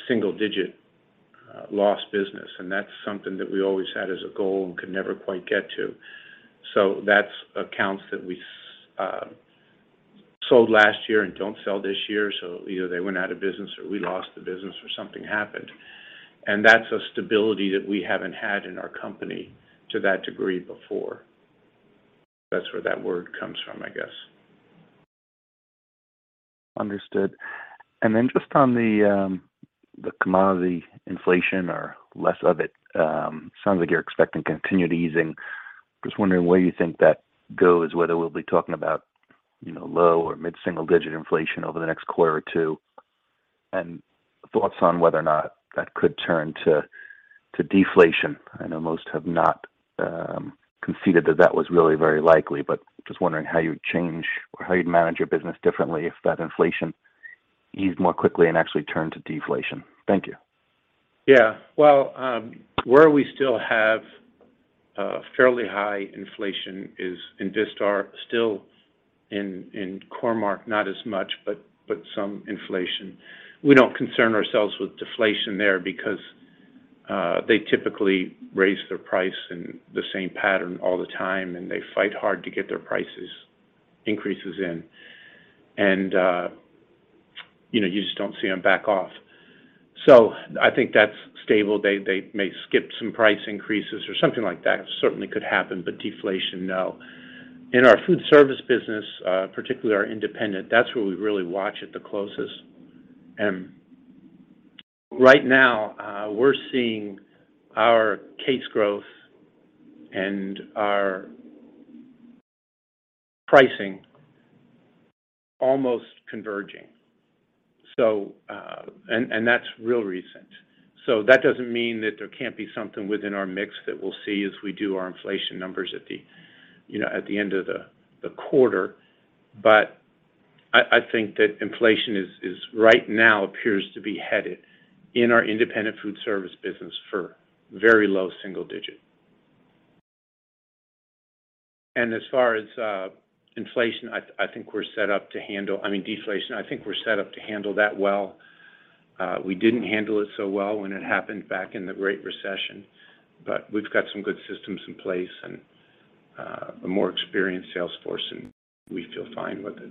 single-digit lost business, and that's something that we always had as a goal and could never quite get to. That's accounts that we sold last year and don't sell this year. Either they went out of business or we lost the business or something happened. That's a stability that we haven't had in our company to that degree before. That's where that word comes from, I guess. Understood. Just on the commodity inflation or less of it, sounds like you're expecting continued easing. Just wondering where you think that goes, whether we'll be talking about, you know, low or mid-single-digit inflation over the next quarter or two, and thoughts on whether or not that could turn to deflation. I know most have not, conceded that that was really very likely, just wondering how you would change or how you'd manage your business differently if that inflation eased more quickly and actually turned to deflation. Thank you. Yeah. Where we still have fairly high inflation is in Vistar, still in Core-Mark, not as much, but some inflation. We don't concern ourselves with deflation there because they typically raise their price in the same pattern all the time, and they fight hard to get their prices increases in. You know, you just don't see them back off. I think that's stable. They may skip some price increases or something like that. Certainly could happen, but deflation, no. In our Foodservice business, particularly our independent, that's where we really watch it the closest. Right now, we're seeing our case growth and our pricing almost converging. That's real recent. That doesn't mean that there can't be something within our mix that we'll see as we do our inflation numbers at the, you know, at the end of the quarter. I think that inflation right now appears to be headed in our independent Foodservice business for very low single-digit. As far as inflation, I think we're set up to handle, I mean, deflation, I think we're set up to handle that well. We didn't handle it so well when it happened back in the Great Recession, but we've got some good systems in place and a more experienced sales force, and we feel fine with it.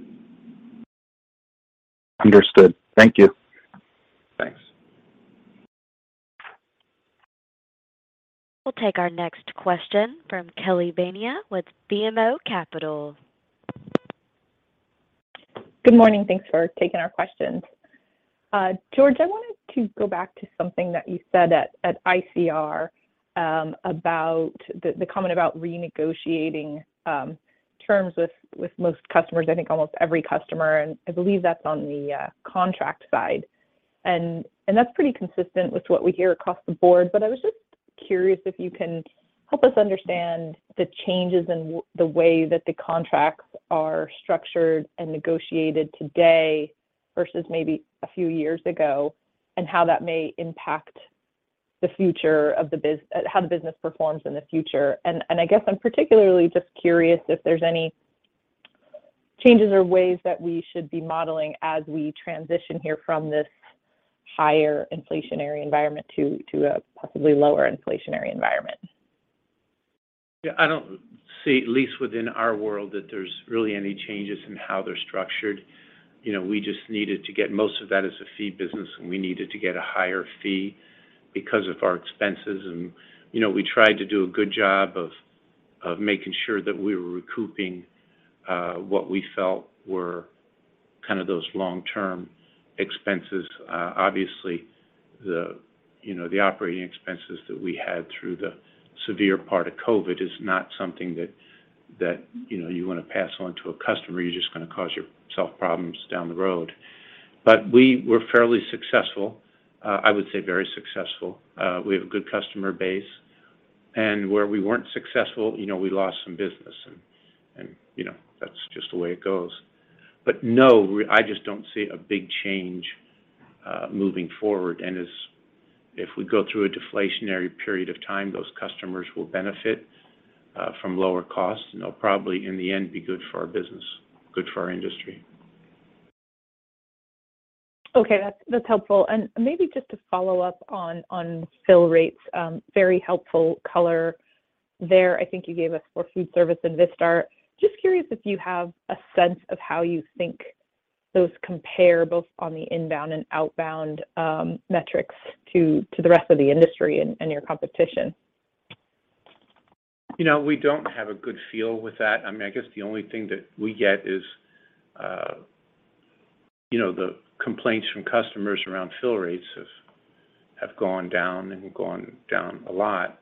Understood. Thank you. Thanks. We'll take our next question from Kelly Bania with BMO Capital. Good morning. Thanks for taking our questions. George, I wanted to go back to something that you said at ICR, about the comment about renegotiating terms with most customers, I think almost every customer, and I believe that's on the contract side. That's pretty consistent with what we hear across the board, but I was just curious if you can help us understand the changes in the way that the contracts are structured and negotiated today versus maybe a few years ago, and how that may impact the future of how the business performs in the future. I guess I'm particularly just curious if there's any changes or ways that we should be modeling as we transition here from this higher inflationary environment to a possibly lower inflationary environment. Yeah, I don't see, at least within our world, that there's really any changes in how they're structured. You know, we just needed to get most of that as a fee business, and we needed to get a higher fee because of our expenses. You know, we tried to do a good job of making sure that we were recouping what we felt were kind of those long-term expenses. Obviously the operating expenses that we had through the severe part of COVID is not something that, you know, you wanna pass on to a customer. You're just gonna cause yourself problems down the road. We were fairly successful. I would say very successful. We have a good customer base. Where we weren't successful, you know, we lost some business, and, you know, that's just the way it goes. No, I just don't see a big change moving forward. As if we go through a deflationary period of time, those customers will benefit from lower costs, and it'll probably in the end be good for our business, good for our industry. Okay. That's, that's helpful. Maybe just to follow up on fill rates, very helpful color there, I think you gave us for Foodservice and Vistar. Just curious if you have a sense of how you think those compare both on the inbound and outbound, metrics to the rest of the industry and your competition. You know, we don't have a good feel with that. I mean, I guess the only thing that we get is, you know, the complaints from customers around fill rates have gone down and gone down a lot.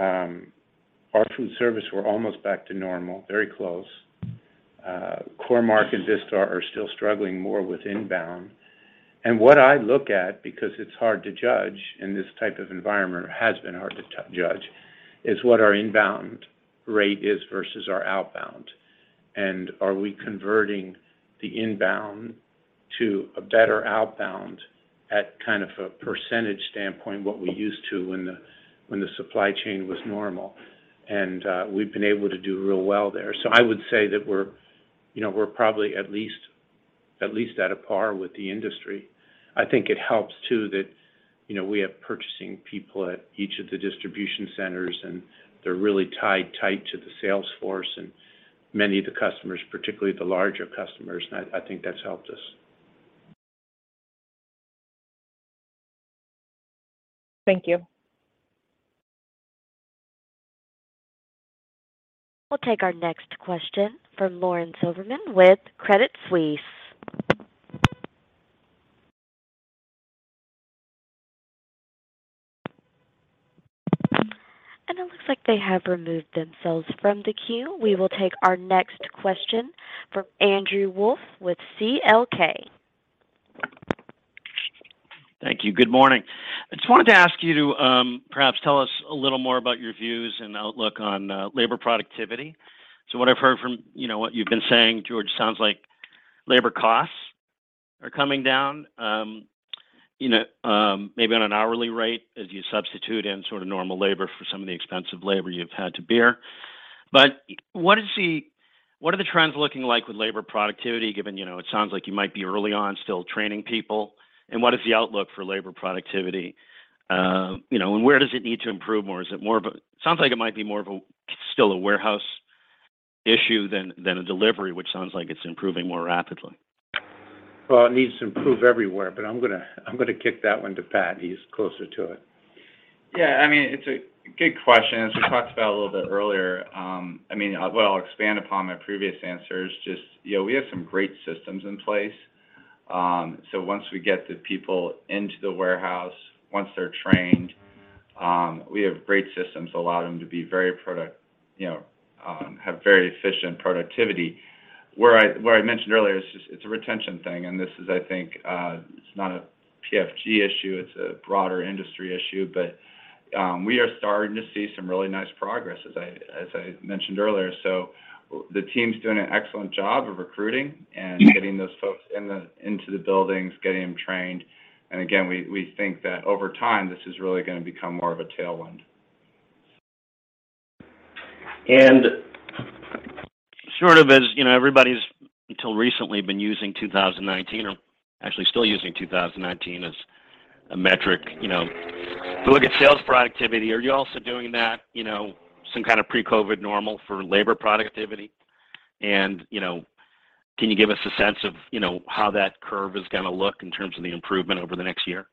Our Foodservice, we're almost back to normal, very close. Core-Mark and Vistar are still struggling more with inbound. What I look at, because it's hard to judge in this type of environment, or has been hard to judge, is what our inbound rate is versus our outbound, and are we converting the inbound to a better outbound at kind of a percentage standpoint, what we used to when the supply chain was normal. We've been able to do real well there. I would say that we're, you know, we're probably at least at a par with the industry. I think it helps too that, you know, we have purchasing people at each of the distribution centers, and they're really tied tight to the sales force and many of the customers, particularly the larger customers, and I think that's helped us. Thank you. We'll take our next question from Lauren Silberman with Credit Suisse. It looks like they have removed themselves from the queue. We will take our next question from Andrew Wolf with CLK. Thank you. Good morning. I just wanted to ask you to, perhaps tell us a little more about your views and outlook on labor productivity. What I've heard from, you know, what you've been saying, George, sounds like labor costs are coming down, you know, maybe on an hourly rate as you substitute in sort of normal labor for some of the expensive labor you've had to bear. What are the trends looking like with labor productivity given, you know, it sounds like you might be early on, still training people? What is the outlook for labor productivity? You know, and where does it need to improve more? Sounds like it might be more of a, still a warehouse issue than a delivery, which sounds like it's improving more rapidly. Well, it needs to improve everywhere, but I'm gonna kick that one to Pat. He's closer to it. I mean, it's a good question. As we talked about a little bit earlier, well, I'll expand upon my previous answers. Just, you know, we have some great systems in place. Once we get the people into the warehouse, once they're trained, we have great systems that allow them to be very you know, have very efficient productivity. Where I mentioned earlier, it's just, it's a retention thing, and this is, I think, it's not a PFG issue, it's a broader industry issue. We are starting to see some really nice progress, as I mentioned earlier. The team's doing an excellent job of recruiting and getting those folks into the buildings, getting them trained. We think that over time, this is really gonna become more of a tailwind. Sort of as, you know, everybody's, until recently, been using 2019 or actually still using 2019 as a metric, you know, to look at sales productivity, are you also doing that, you know, some kind of pre-COVID normal for labor productivity? Can you give us a sense of, you know, how that curve is gonna look in terms of the improvement over the next year?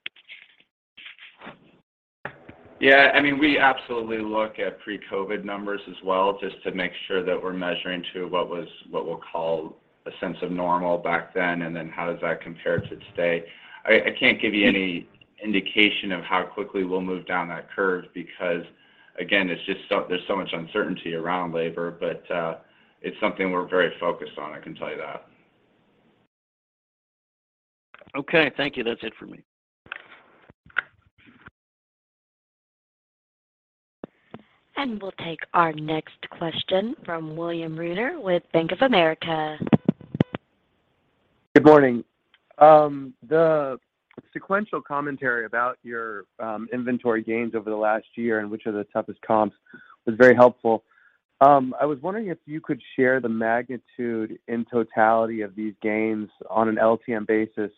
Yeah, I mean, we absolutely look at pre-COVID numbers as well, just to make sure that we're measuring to what was, what we'll call a sense of normal back then, and then how does that compare to today. I can't give you any indication of how quickly we'll move down that curve because, again, there's so much uncertainty around labor, but, it's something we're very focused on, I can tell you that. Okay, thank you. That's it for me. We'll take our next question from William Reuter with Bank of America. Good morning. The sequential commentary about your inventory gains over the last year and which are the toughest comps was very helpful. I was wondering if you could share the magnitude in totality of these gains on an LTM basis,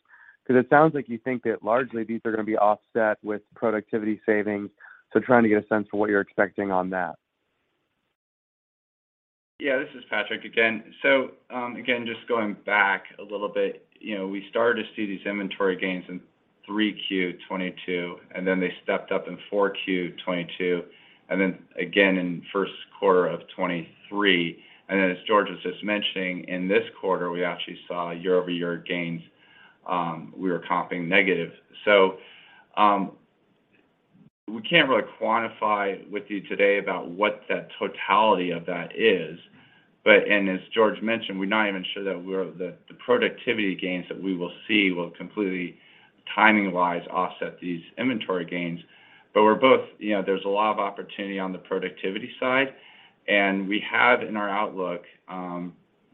'cause it sounds like you think that largely these are gonna be offset with productivity savings. Trying to get a sense of what you're expecting on that. Yeah, this is Patrick again. Again, just going back a little bit, you know, we started to see these inventory gains in 3Q 2022, and then they stepped up in 4Q 2022 and then again in first quarter of 2023. As George was just mentioning, in this quarter, we actually saw year-over-year gains, we were comping negative. We can't really quantify with you today about what that totality of that is. As George mentioned, we're not even sure that the productivity gains that we will see will completely, timing-wise, offset these inventory gains. You know, there's a lot of opportunity on the productivity side, and we have, in our outlook,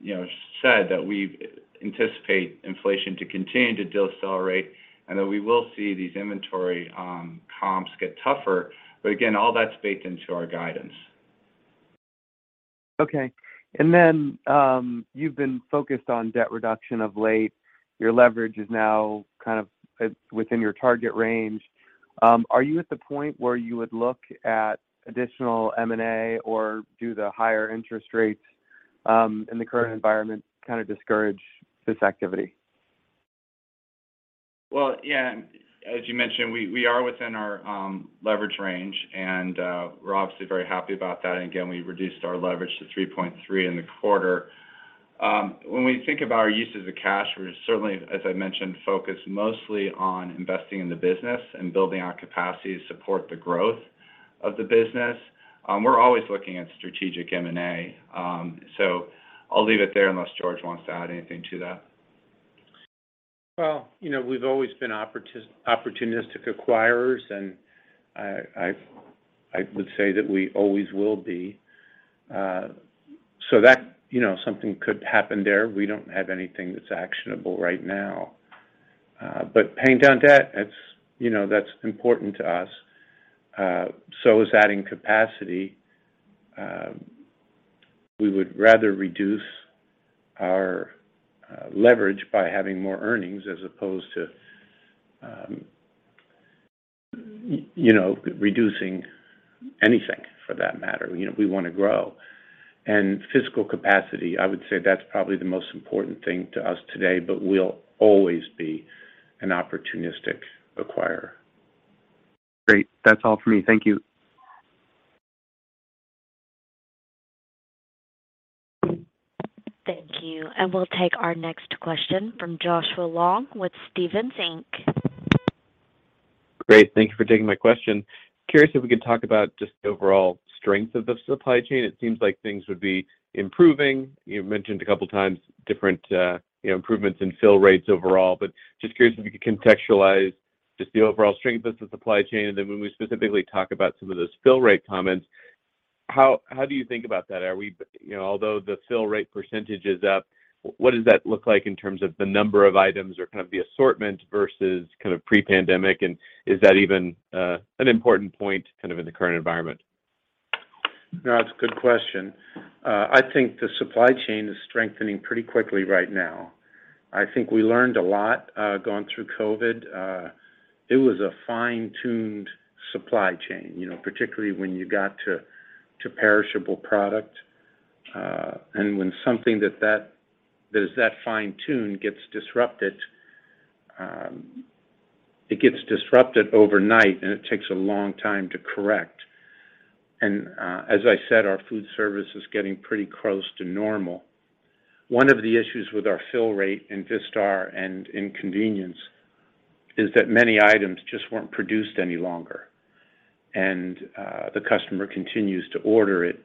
you know, said that we anticipate inflation to continue to decelerate and that we will see these inventory comps get tougher. Again, all that's baked into our guidance. Okay. You've been focused on debt reduction of late. Your leverage is now kind of within your target range. Are you at the point where you would look at additional M&A or do the higher interest rates in the current environment kind of discourage this activity? Well, yeah, as you mentioned, we are within our leverage range and we're obviously very happy about that. Again, we reduced our leverage to 3.3x in the quarter. When we think about our uses of cash, we're certainly, as I mentioned, focused mostly on investing in the business and building our capacity to support the growth of the business. We're always looking at strategic M&A. I'll leave it there unless George wants to add anything to that. Well, you know, we've always been opportunistic acquirers, and I, I would say that we always will be. That. You know, something could happen there. We don't have anything that's actionable right now. Paying down debt, that's, you know, that's important to us. Is adding capacity. We would rather reduce our leverage by having more earnings as opposed to, you know, reducing anything for that matter. You know, we wanna grow. Physical capacity, I would say that's probably the most important thing to us today, but we'll always be an opportunistic acquirer. Great. That's all for me. Thank you. Thank you. We'll take our next question from Joshua Long with Stephens Inc. Great. Thank you for taking my question. Curious if we could talk about just the overall strength of the supply chain. It seems like things would be improving. You mentioned a couple times different, you know, improvements in fill rates overall, but just curious if you could contextualize just the overall strength of the supply chain. Then when we specifically talk about some of those fill rate comments, how do you think about that? Are we, you know, although the fill rate percentage is up, what does that look like in terms of the number of items or kind of the assortment versus kind of pre-pandemic? Is that even, an important point kind of in the current environment? No, that's a good question. I think the supply chain is strengthening pretty quickly right now. I think we learned a lot going through COVID. It was a fine-tuned supply chain, you know, particularly when you got to perishable product. When something that is that fine-tuned gets disrupted, it gets disrupted overnight, and it takes a long time to correct. As I said, our Foodservice is getting pretty close to normal. One of the issues with our fill rate in Vistar and in Convenience is that many items just weren't produced any longer. The customer continues to order it,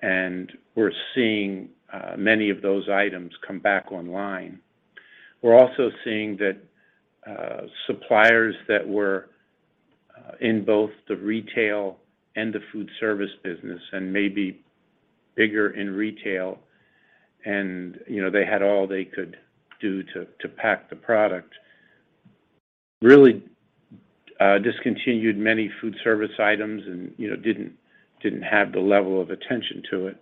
and we're seeing many of those items come back online. We're also seeing that suppliers that were in both the retail and the Foodservice business and maybe bigger in retail and, you know, they had all they could do to pack the product, really discontinued many Foodservice items and, you know, didn't have the level of attention to it.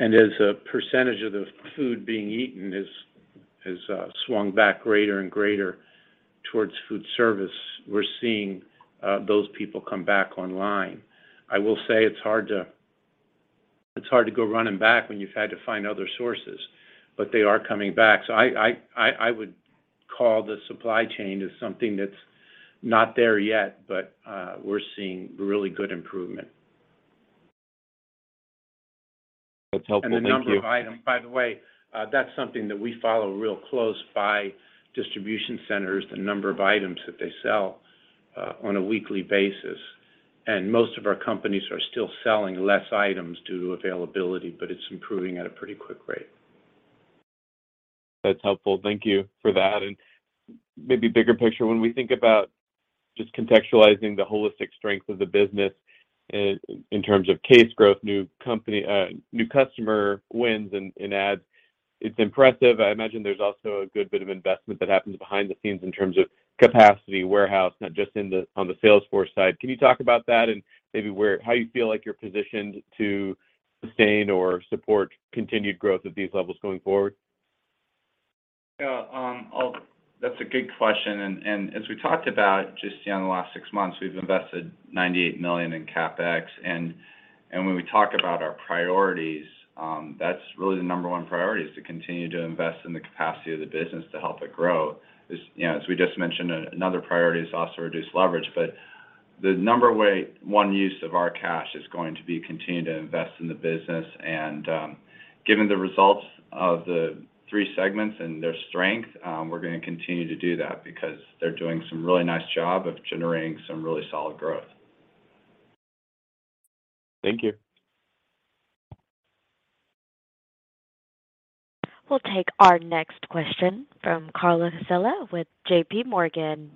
As a percentage of the food being eaten has swung back greater and greater towards Foodservice, we're seeing those people come back online. I will say it's hard to go running back when you've had to find other sources, but they are coming back. I would call the supply chain as something that's not there yet, but we're seeing really good improvement. That's helpful. Thank you. The number of items. By the way, that's something that we follow real close by distribution centers, the number of items that they sell on a weekly basis. Most of our companies are still selling less items due to availability, but it's improving at a pretty quick rate. That's helpful. Thank you for that. Maybe bigger picture, when we think about just contextualizing the holistic strength of the business in terms of case growth, new customer wins and adds, it's impressive. I imagine there's also a good bit of investment that happens behind the scenes in terms of capacity, warehouse, not just on the sales force side. Can you talk about that and maybe how you feel like you're positioned to sustain or support continued growth at these levels going forward? Yeah. That's a good question. As we talked about just, you know, in the last six months, we've invested $98 million in CapEx. When we talk about our priorities, that's really the number one priority, is to continue to invest in the capacity of the business to help it grow. As, you know, as we just mentioned, another priority is also reduce leverage, the number one use of our cash is going to be continue to invest in the business. Given the results of the three segments and their strength, we're gonna continue to do that because they're doing some really nice job of generating some really solid growth. Thank you. We'll take our next question from Carla Casella with JPMorgan.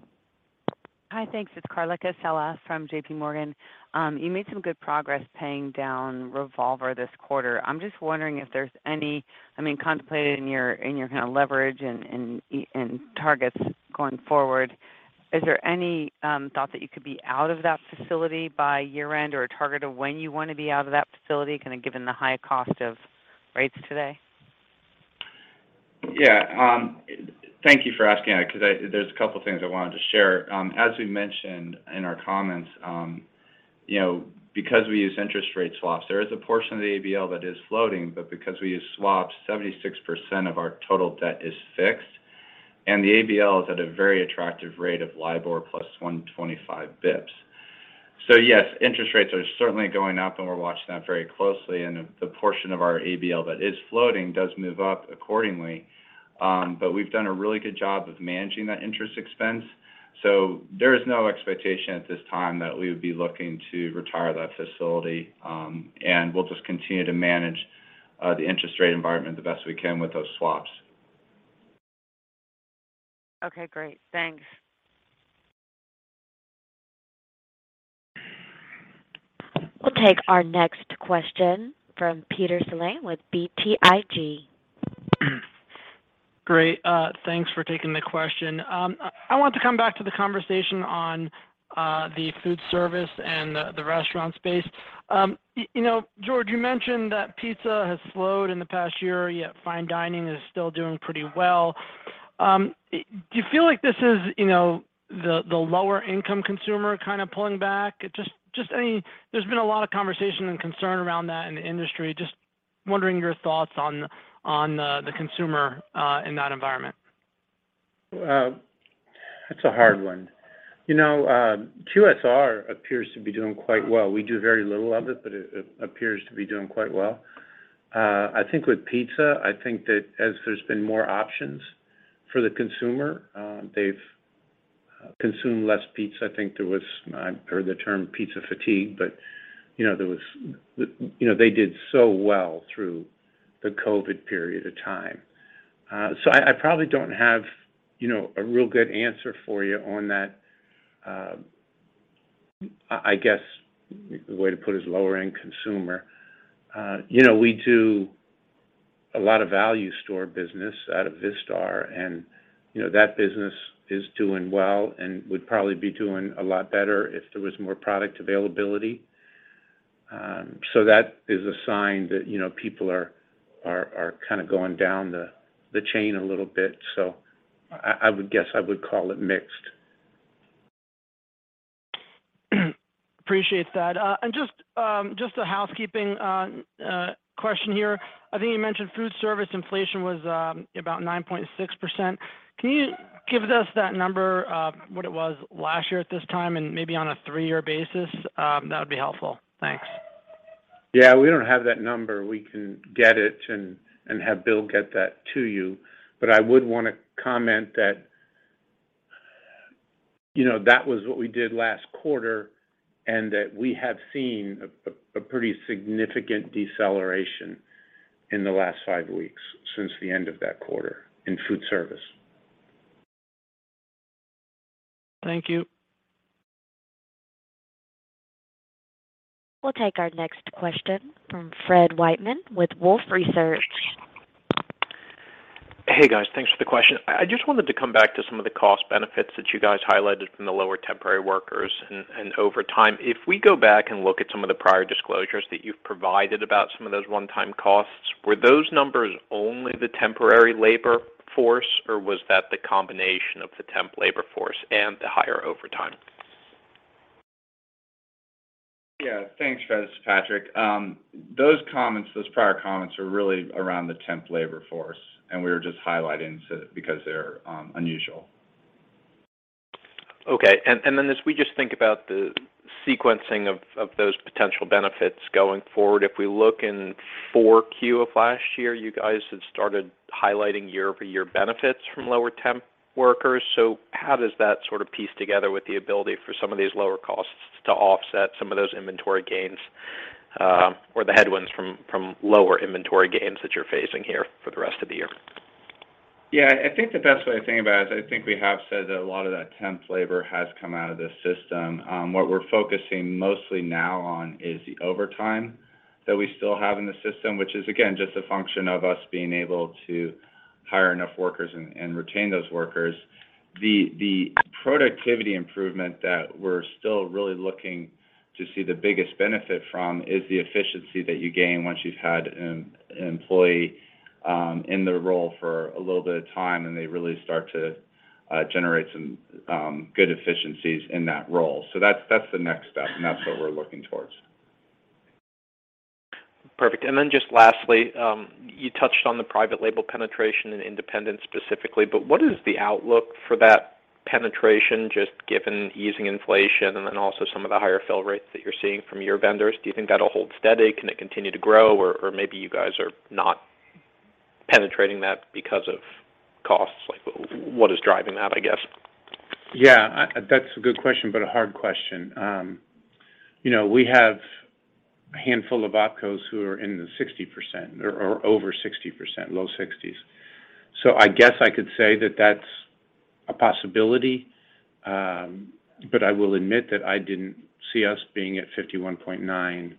Hi. Thanks. It's Carla Casella from JPMorgan. You made some good progress paying down revolver this quarter. I'm just wondering if there's I mean, contemplated in your, in your kind of leverage and targets going forward, is there any thought that you could be out of that facility by year-end or a target of when you wanna be out of that facility, kind of given the high cost of rates today? Yeah. Thank you for asking that 'cause there's a couple things I wanted to share. As we mentioned in our comments, you know, because we use interest rate swaps, there is a portion of the ABL that is floating. Because we use swaps, 76% of our total debt is fixed. The ABL is at a very attractive rate of LIBOR plus 125 basis points. Yes, interest rates are certainly going up, and we're watching that very closely. The portion of our ABL that is floating does move up accordingly. We've done a really good job of managing that interest expense. There is no expectation at this time that we would be looking to retire that facility. We'll just continue to manage the interest rate environment the best we can with those swaps. Okay. Great. Thanks. We'll take our next question from Peter Saleh with BTIG. Great. Thanks for taking the question. I want to come back to the conversation on the Foodservice and the restaurant space. You know, George, you mentioned that pizza has slowed in the past year, yet fine dining is still doing pretty well. Do you feel like this is, you know, the lower-income consumer kind of pulling back? Just any There's been a lot of conversation and concern around that in the industry. Just wondering your thoughts on the consumer in that environment? That's a hard one. You know, QSR appears to be doing quite well. We do very little of it, but it appears to be doing quite well. I think with pizza, I think that as there's been more options for the consumer, they've consumed less pizza. I think there was, I heard the term pizza fatigue, but, you know, they did so well through the COVID period of time. I probably don't have, you know, a real good answer for you on that. I guess, the way to put it is lower end consumer. You know, we do a lot of value store business out of Vistar and, you know, that business is doing well and would probably be doing a lot better if there was more product availability. That is a sign that, you know, people are kind of going down the chain a little bit. I would guess I would call it mixed. Appreciate that. Just a housekeeping question here. I think you mentioned Foodservice inflation was about 9.6%. Can you give us that number of what it was last year at this time and maybe on a three-year basis? That would be helpful. Thanks. Yeah. We don't have that number. We can get it and have Bill get that to you. I would wanna comment that, you know, that was what we did last quarter and that we have seen a pretty significant deceleration in the last five weeks since the end of that quarter in Foodservice. Thank you. We'll take our next question from Fred Wightman with Wolfe Research. Hey, guys. Thanks for the question. I just wanted to come back to some of the cost benefits that you guys highlighted from the lower temporary workers and over time. If we go back and look at some of the prior disclosures that you've provided about some of those one-time costs, were those numbers only the temporary labor force or was that the combination of the temp labor force and the higher overtime? Yeah. Thanks, Fred. This is Patrick. Those prior comments are really around the temp labor force, we were just highlighting because they're unusual. Okay. Then as we just think about the sequencing of those potential benefits going forward, if we look in 4Q of last year, you guys had started highlighting year-over-year benefits from lower temp workers. How does that sort of piece together with the ability for some of these lower costs to offset some of those inventory gains, or the headwinds from lower inventory gains that you're facing here for the rest of the year? I think the best way to think about it is I think we have said that a lot of that temp labor has come out of the system. What we're focusing mostly now on is the overtime that we still have in the system, which is again just a function of us being able to hire enough workers and retain those workers. The productivity improvement that we're still really looking to see the biggest benefit from is the efficiency that you gain once you've had an employee in the role for a little bit of time, and they really start to generate some good efficiencies in that role. That's the next step, and that's what we're looking towards. Perfect. Just lastly, you touched on the private-label penetration and independent specifically. What is the outlook for that penetration just given easing inflation and then also some of the higher fill rates that you're seeing from your vendors? Do you think that'll hold steady? Can it continue to grow? Or maybe you guys are not penetrating that because of costs. Like what is driving that, I guess? That's a good question, but a hard question. You know, we have a handful of opcos who are in the 60% or over 60%, low 60s. I guess I could say that that's a possibility, but I will admit that I didn't see us being at 51.9%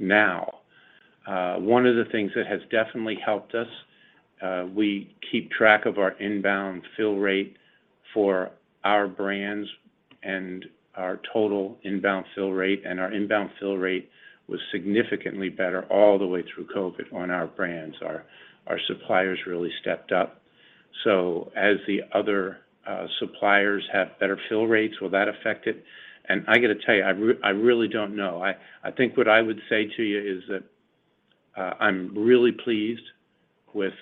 now. One of the things that has definitely helped us, we keep track of our inbound fill rate for our brands and our total inbound fill rate, and our inbound fill rate was significantly better all the way through COVID on our brands. Our suppliers really stepped up. As the other, suppliers have better fill rates, will that affect it? I gotta tell you, I really don't know. I think what I would say to you is that I'm really pleased with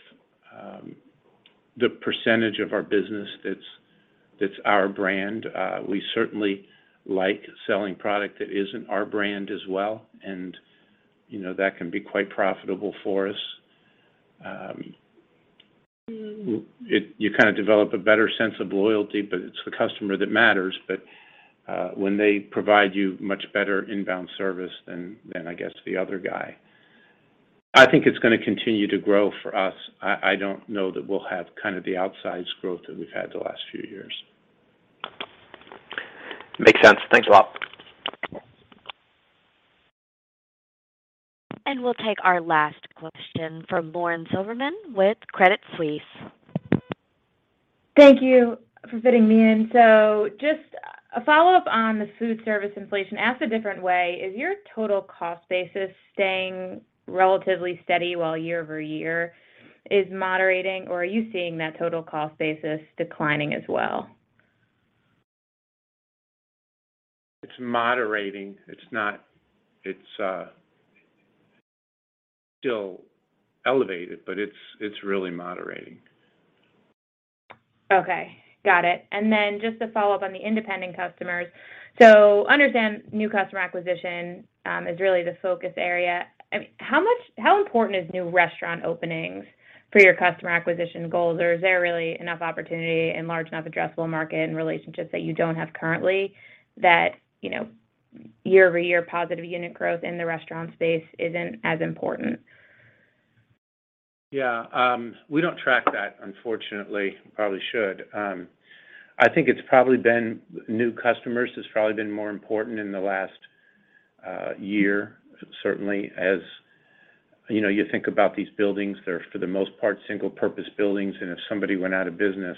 the percentage of our business that's our brand. We certainly like selling product that isn't our brand as well and, you know, that can be quite profitable for us. you kinda develop a better sense of loyalty, but it's the customer that matters. When they provide you much better inbound service than I guess the other guy. I think it's gonna continue to grow for us. I don't know that we'll have kind of the outsized growth that we've had the last few years. Makes sense. Thanks a lot. We'll take our last question from Lauren Silberman with Credit Suisse. Thank you for fitting me in. Just a follow-up on the Foodservice inflation. Asked a different way, is your total cost basis staying relatively steady while year-over-year is moderating, or are you seeing that total cost basis declining as well? It's moderating. It's still elevated, but it's really moderating. Okay. Got it. Just to follow up on the independent customers. Understand new customer acquisition, is really the focus area. How important is new restaurant openings for your customer acquisition goals? Is there really enough opportunity and large enough addressable market and relationships that you don't have currently that, you know, year-over-year positive unit growth in the restaurant space isn't as important? Yeah. We don't track that, unfortunately. Probably should. I think it's probably been new customers has probably been more important in the last year, certainly as, you know, you think about these buildings, they're for the most part single-purpose buildings, and if somebody went out of business,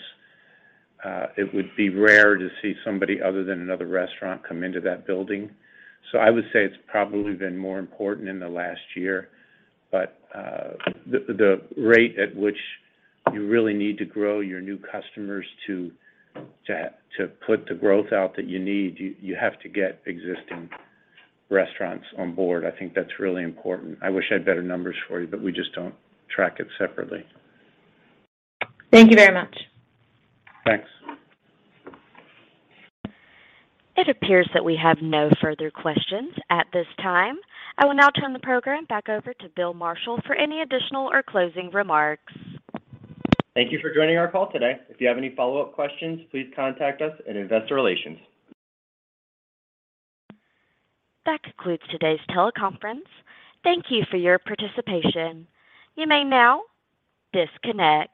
it would be rare to see somebody other than another restaurant come into that building. I would say it's probably been more important in the last year, but the rate at which you really need to grow your new customers to put the growth out that you need, you have to get existing restaurants on board. I think that's really important. I wish I had better numbers for you, but we just don't track it separately. Thank you very much. Thanks. It appears that we have no further questions at this time. I will now turn the program back over to Bill Marshall for any additional or closing remarks. Thank you for joining our call today. If you have any follow-up questions, please contact us in investor relations. That concludes today's teleconference. Thank you for your participation. You may now disconnect.